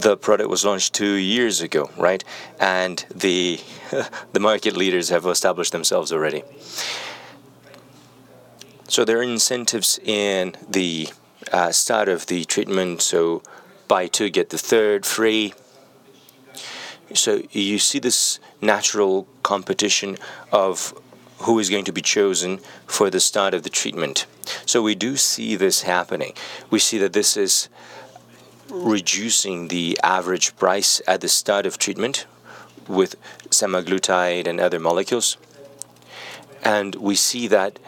The product was launched two years ago, right? The market leaders have established themselves already. There are incentives in the start of the treatment, so buy two, get the third free. You see this natural competition of who is going to be chosen for the start of the treatment. We do see this happening. We see that this is reducing the average price at the start of treatment with semaglutide and other molecules. We see that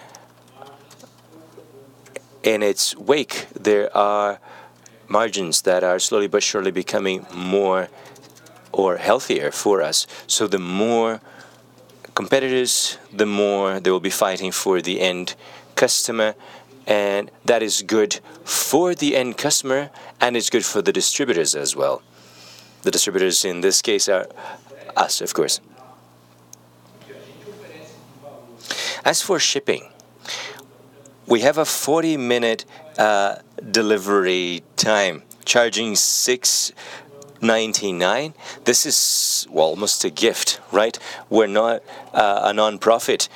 in its wake, there are margins that are slowly but surely becoming more or healthier for us. The more competitors, the more they will be fighting for the end customer, and that is good for the end customer, and it's good for the distributors as well. The distributors in this case are us, of course. For shipping, we have a 40-minute delivery time, charging 6.99. This is, well, almost a gift, right? We're not a nonprofit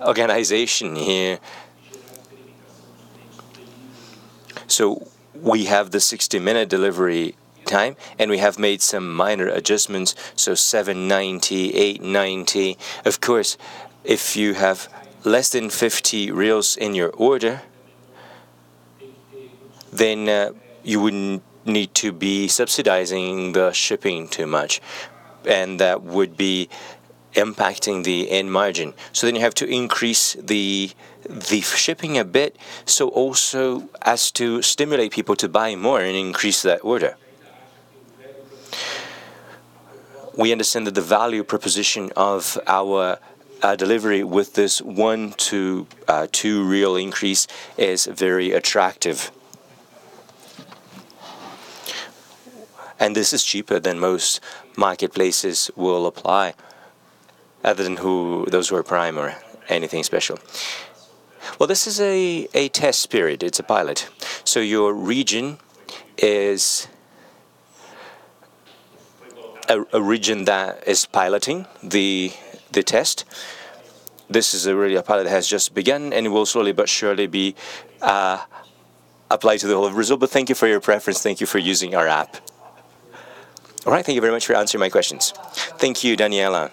organization here. We have the 60-minute delivery time, and we have made some minor adjustments, so 7.90, 8.90. Of course, if you have less than 50 in your order, you wouldn't need to be subsidizing the shipping too much, and that would be impacting the end margin. You have to increase the shipping a bit, also as to stimulate people to buy more and increase that order. We understand that the value proposition of our delivery with this 1-2 real increase is very attractive. This is cheaper than most marketplaces will apply other than who those who are Prime or anything special. This is a test period. It's a pilot. Your region is a region that is piloting the test. This is really a pilot that has just begun, it will slowly but surely be applied to the whole of Brazil. Thank you for your preference. All right. Thank you very much for answering my questions. Thank you, Danniela.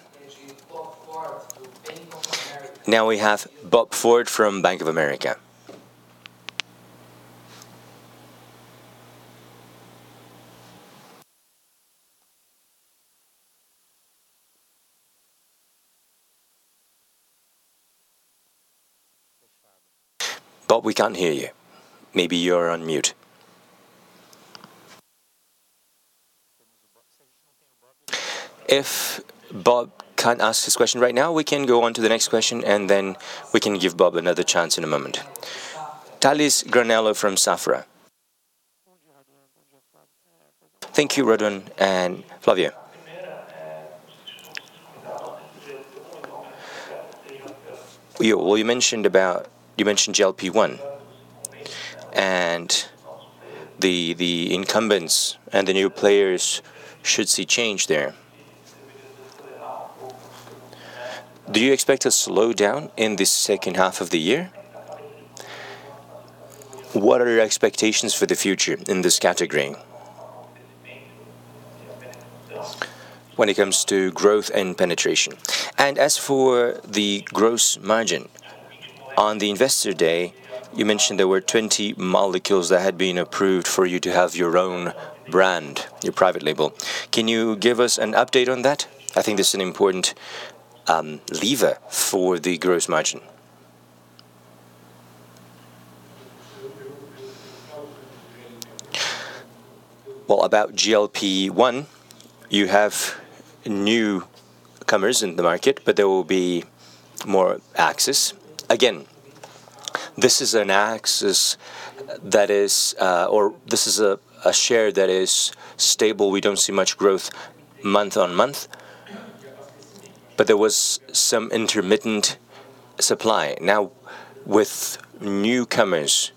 Now we have Bob Ford from Bank of America. Bob, we can't hear you. Maybe you're on mute. If Bob can't ask his question right now, we can go on to the next question, and then we can give Bob another chance in a moment. Tales Granello from Safra. Thank you, Raduan and Flavio. Well, you mentioned GLP-1 and the incumbents and the new players should see change there. Do you expect a slowdown in the second half of the year? What are your expectations for the future in this category when it comes to growth and penetration? As for the gross margin, on the Investor Day, you mentioned there were 20 molecules that had been approved for you to have your own brand, your private label. Can you give us an update on that? I think that's an important lever for the gross margin. Well, about GLP-1, you have newcomers in the market, but there will be more access. Again, this is an access that is, or this is a share that is stable. We don't see much growth month on month, but there was some intermittent supply. Now, with newcomers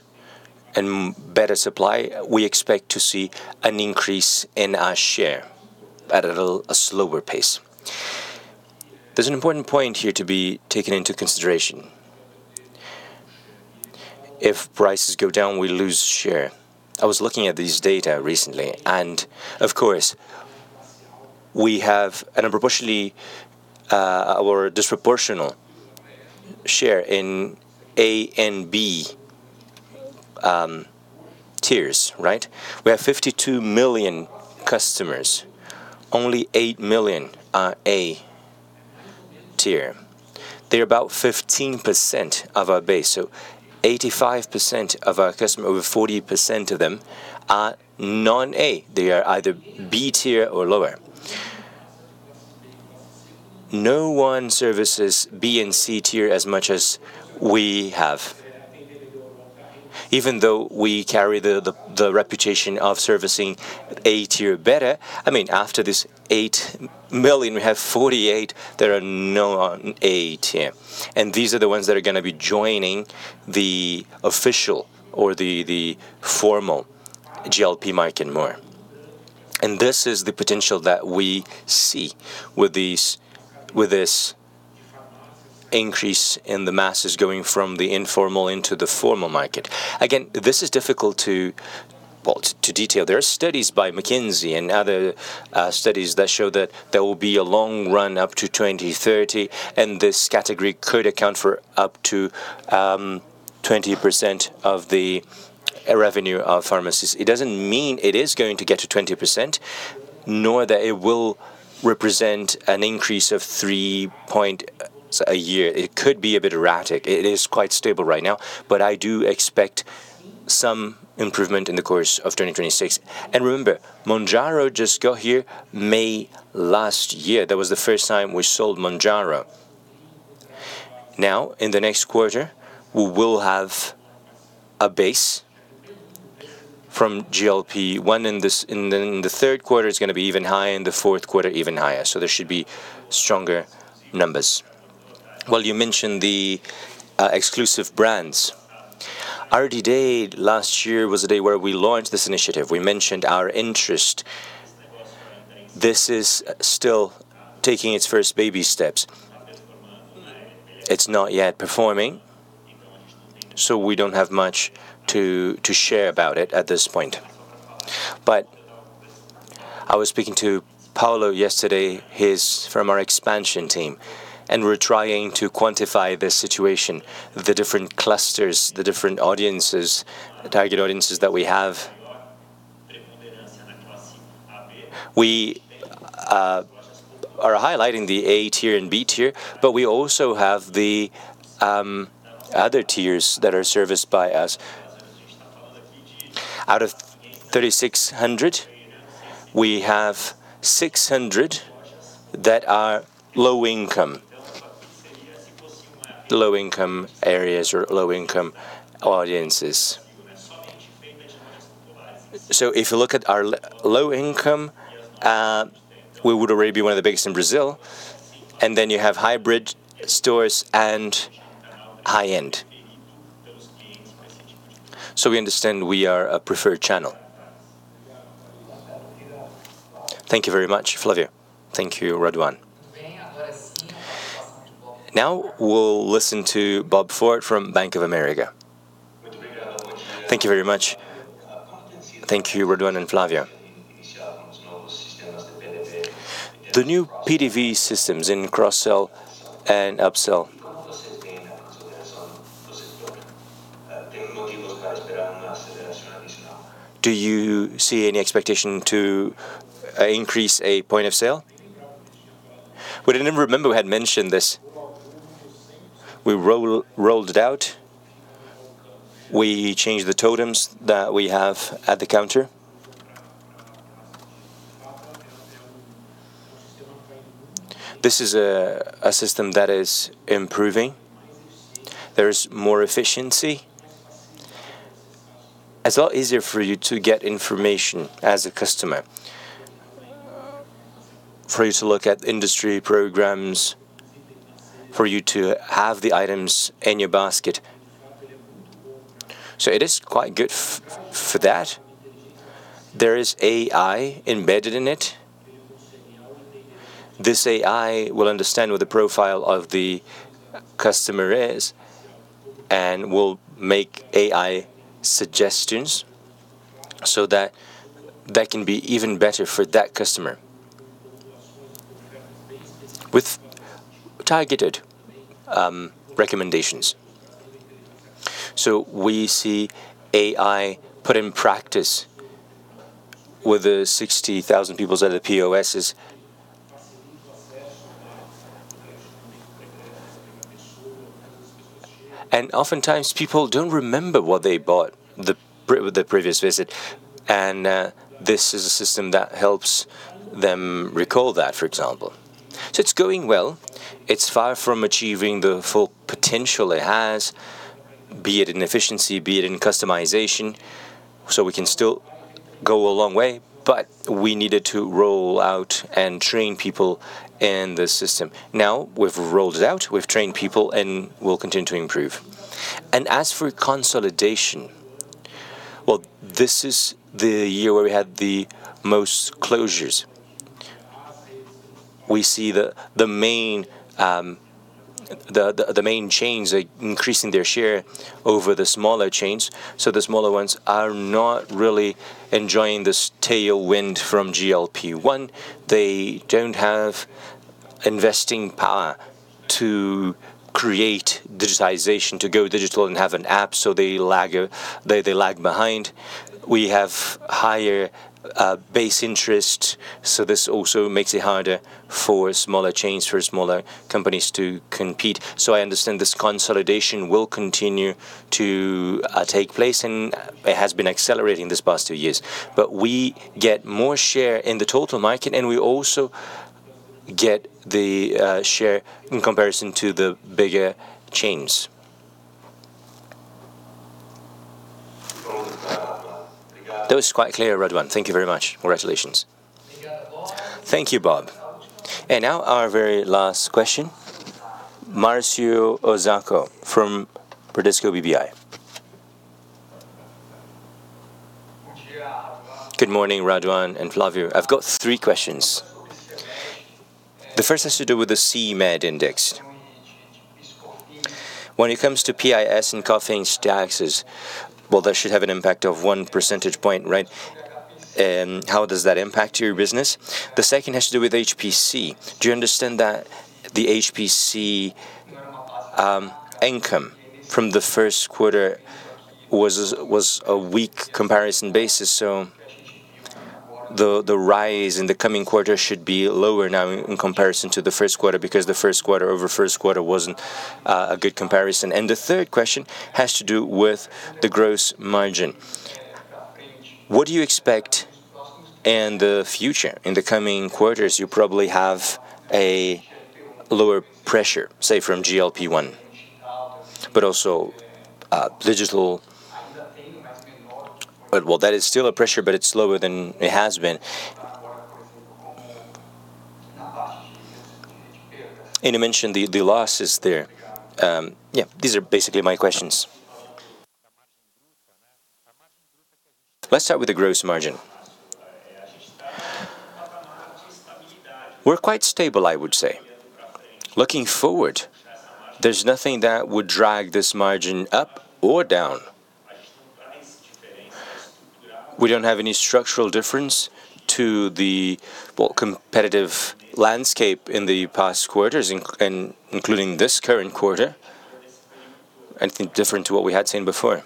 and better supply, we expect to see an increase in our share at a slower pace. There's an important point here to be taken into consideration. If prices go down, we lose share. I was looking at these data recently, and of course, we have an unproportionally or disproportional share in A and B tiers, right? We have 52 million customers. Only 8 million are A tier. They're about 15% of our base. 85% of our customer, over 40% of them are non-A. They are either B tier or lower. No one services B and C tier as much as we have, even though we carry the reputation of servicing A tier better. I mean, after this 8 million, we have 48 that are non-A tier. These are the ones that are gonna be joining the official or the formal GLP market more. This is the potential that we see with this increase in the masses going from the informal into the formal market. Again, this is difficult to detail. There are studies by McKinsey and other studies that show that there will be a long run up to 2030, and this category could account for up to 20% of the revenue of pharmacies. It doesn't mean it is going to get to 20%, nor that it will represent an increase of three point a year. It could be a bit erratic. It is quite stable right now, but I do expect some improvement in the course of 2026. Remember, Mounjaro just got here May last year. That was the first time we sold Mounjaro. In the next quarter, we will have a base from GLP-1. The third quarter, it's going to be even higher. The fourth quarter even higher. There should be stronger numbers. You mentioned the exclusive brands. Our D-Day last year was the day where we launched this initiative. We mentioned our interest. This is still taking its first baby steps. It's not yet performing, we don't have much to share about it at this point. I was speaking to Paolo yesterday, he's from our expansion team, we're trying to quantify the situation, the different clusters, the different audiences, target audiences that we have. We are highlighting the A tier and B tier, we also have the other tiers that are serviced by us. Out of 3,600, we have 600 that are low income. Low income areas or low income audiences. If you look at our low income, we would already be one of the biggest in Brazil, you have hybrid stores and high-end. We understand we are a preferred channel. Thank you very much, Flavio. Thank you, Raduan. Now we'll listen to Bob Ford from Bank of America. Thank you very much. Thank you, Raduan and Flavio. The new PDV systems in cross-sell and upsell. Do you see any expectation to increase a point of sale? We didn't remember we had mentioned this. We rolled it out. We changed the totems that we have at the counter. This is a system that is improving. There is more efficiency. It's a lot easier for you to get information as a customer. For you to look at industry programs, for you to have the items in your basket. It is quite good for that. There is AI embedded in it. This AI will understand what the profile of the customer is and will make AI suggestions so that that can be even better for that customer with targeted recommendations. We see AI put in practice with the 60,000 people at the POSs. Oftentimes people don't remember what they bought the previous visit, and this is a system that helps them recall that, for example. It's going well. It's far from achieving the full potential it has, be it in efficiency, be it in customization. We can still go a long way, but we needed to roll out and train people in the system. Now we've rolled it out, we've trained people, and we'll continue to improve. As for consolidation, well, this is the year where we had the most closures. We see the main chains are increasing their share over the smaller chains. The smaller ones are not really enjoying this tailwind from GLP-1. They don't have investing power to create digitization, to go digital and have an app. They lag behind. We have higher base interest. This also makes it harder for smaller chains, for smaller companies to compete. I understand this consolidation will continue to take place, and it has been accelerating these past two years. We get more share in the total market, and we also get the share in comparison to the bigger chains. That was quite clear, Raduan. Thank you very much. Congratulations. Thank you, Bob. Now our very last question, Márcio Osako from Bradesco BBI. Good morning, Raduan and Flavio. I've got three questions. The first has to do with the CMED index. When it comes to PIS and COFINS taxes, well, that should have an impact of 1 percentage point, right? How does that impact your business? The second has to do with HPC. Do you understand that the HPC income from the first quarter was a weak comparison basis, the rise in the coming quarter should be lower now in comparison to the first quarter because the first quarter-over-first quarter wasn't a good comparison. The third question has to do with the gross margin. What do you expect in the future? In the coming quarters, you probably have a lower pressure, say from GLP-1, also digital. Well, that is still a pressure, but it's lower than it has been. You mentioned the losses there. Yeah, these are basically my questions. Let's start with the gross margin. We're quite stable, I would say. Looking forward, there's nothing that would drag this margin up or down. We don't have any structural difference to the, well, competitive landscape in the past quarters and including this current quarter, anything different to what we had seen before.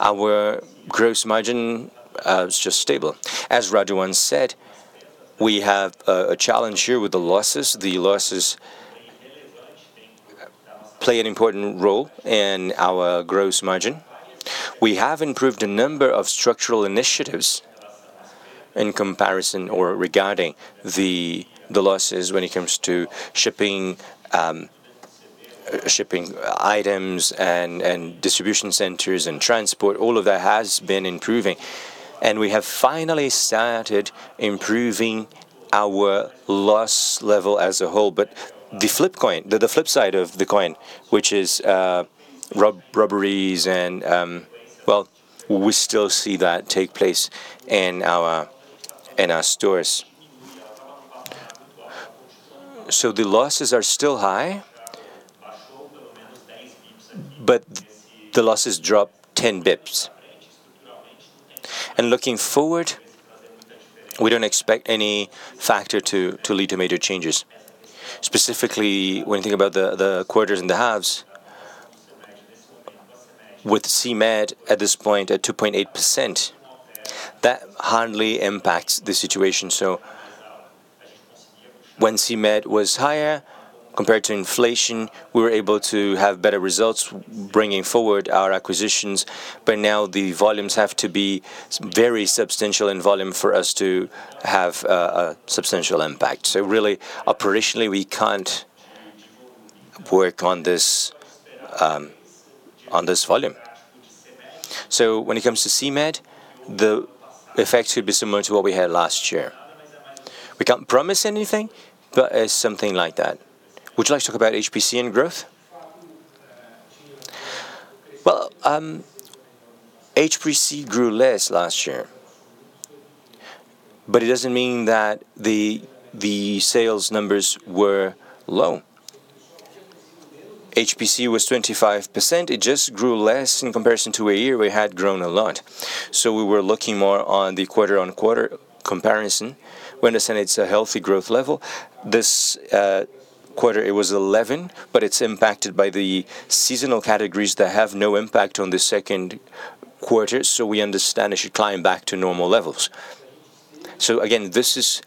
Our gross margin was just stable. As Raduan said, we have a challenge here with the losses. The losses play an important role in our gross margin. We have improved a number of structural initiatives in comparison or regarding the losses when it comes to shipping items and distribution centers and transport. All of that has been improving. We have finally started improving our loss level as a whole. The flip coin, the flip side of the coin, which is robberies and we still see that take place in our stores. The losses are still high, but the losses dropped 10 bps. Looking forward, we don't expect any factor to lead to major changes. Specifically when you think about the quarters and the halves, with CMED at this point at 2.8%, that hardly impacts the situation. When CMED was higher compared to inflation, we were able to have better results bringing forward our acquisitions. Now the volumes have to be very substantial in volume for us to have a substantial impact. Really operationally, we can't work on this on this volume. When it comes to CMED, the effects should be similar to what we had last year. We can't promise anything, but it's something like that. Would you like to talk about HPC and growth? Well, HPC grew less last year, but it doesn't mean that the sales numbers were low. HPC was 25%. It just grew less in comparison to a year we had grown a lot. We were looking more on the quarter-on-quarter comparison. We understand it's a healthy growth level. This quarter it was 11, but it's impacted by the seasonal categories that have no impact on the second quarter. We understand it should climb back to normal levels. Again, this is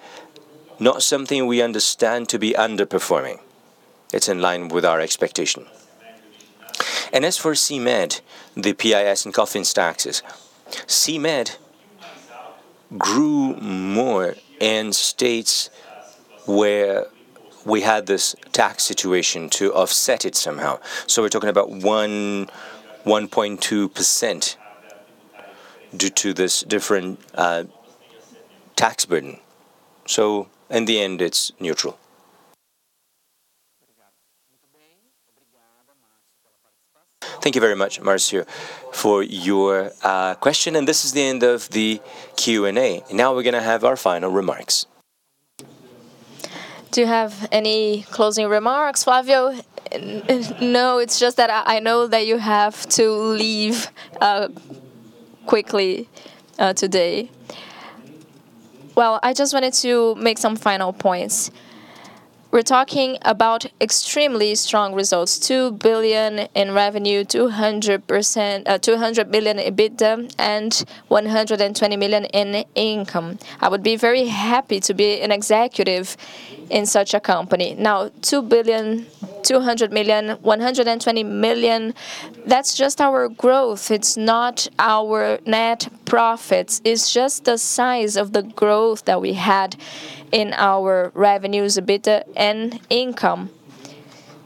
not something we understand to be underperforming. It's in line with our expectation. As for CMED, the PIS and COFINS taxes, CMED grew more in states where we had this tax situation to offset it somehow. We're talking about 1.2% due to this different tax burden. In the end, it's neutral. Thank you very much, Márcio, for your question. This is the end of the Q&A. Now we're going to have our final remarks. Do you have any closing remarks, Flavio? No, it's just that I know that you have to leave quickly today. Well, I just wanted to make some final points. We're talking about extremely strong results, 2 billion in revenue, 200%, 200 billion EBITDA, and 120 million in income. I would be very happy to be an executive in such a company. 2 billion, 200 million, 120 million, that's just our growth. It's not our net profits. It's just the size of the growth that we had in our revenues, EBITDA, and income.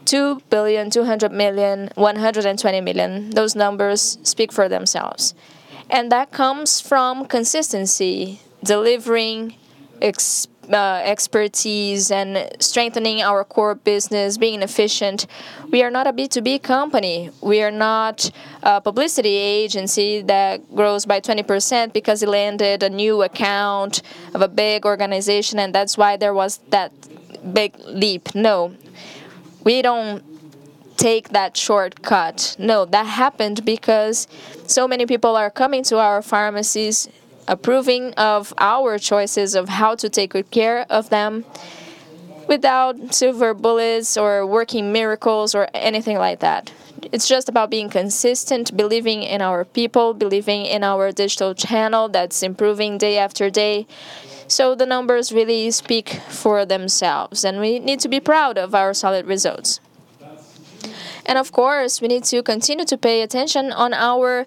2 billion, 200 million, 120 million, those numbers speak for themselves. That comes from consistency, delivering expertise and strengthening our core business, being efficient. We are not a B2B company. We are not a publicity agency that grows by 20% because it landed a new account of a big organization, and that's why there was that big leap. No. We don't take that shortcut. No. That happened because so many people are coming to our pharmacies, approving of our choices of how to take good care of them without silver bullets or working miracles or anything like that. It's just about being consistent, believing in our people, believing in our digital channel that's improving day after day. The numbers really speak for themselves, and we need to be proud of our solid results. Of course, we need to continue to pay attention on our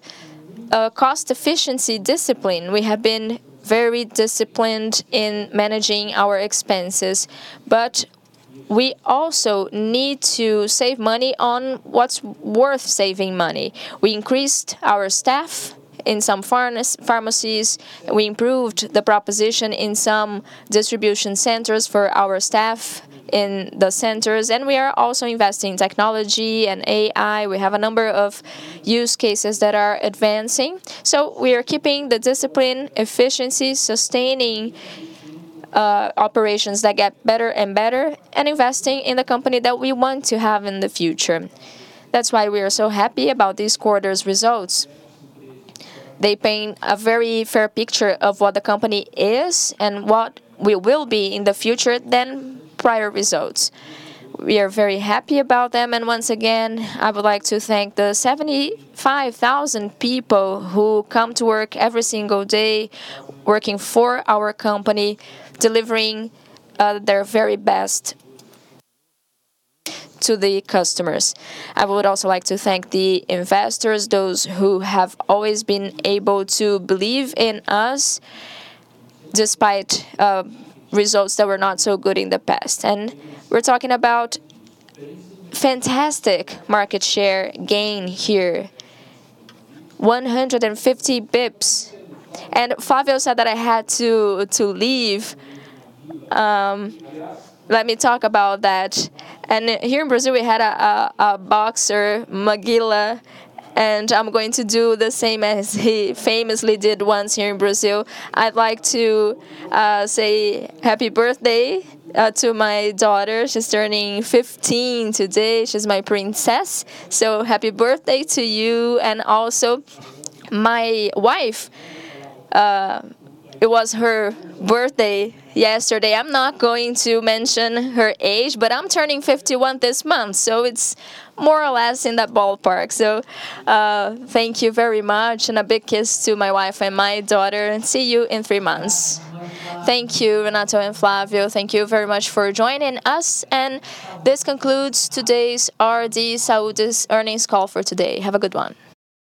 cost efficiency discipline. We have been very disciplined in managing our expenses, but we also need to save money on what's worth saving money. We increased our staff in some pharmacies. We improved the proposition in some distribution centers for our staff in the centers. We are also investing in technology and AI. We have a number of use cases that are advancing. We are keeping the discipline, efficiency, sustaining operations that get better and better, and investing in the company that we want to have in the future. That's why we are so happy about this quarter's results. They paint a very fair picture of what the company is and what we will be in the future than prior results. We are very happy about them. Once again, I would like to thank the 75,000 people who come to work every single day working for our company, delivering their very best to the customers. I would also like to thank the investors, those who have always been able to believe in us despite results that were not so good in the past. We're talking about fantastic market share gain here, 150 bps. Flavio said that I had to leave. Let me talk about that. Here in Brazil we had a boxer, Maguila, and I'm going to do the same as he famously did once here in Brazil. I'd like to say happy birthday to my daughter. She's turning 15 today. She's my princess, happy birthday to you. Also my wife, it was her birthday yesterday. I'm not going to mention her age, but I'm turning 51 this month, so it's more or less in that ballpark. Thank you very much, and a big kiss to my wife and my daughter, and see you in three months. Thank you Renato and Flavio. Thank you very much for joining us. This concludes today's RD Saúde's earnings call for today. Have a good one.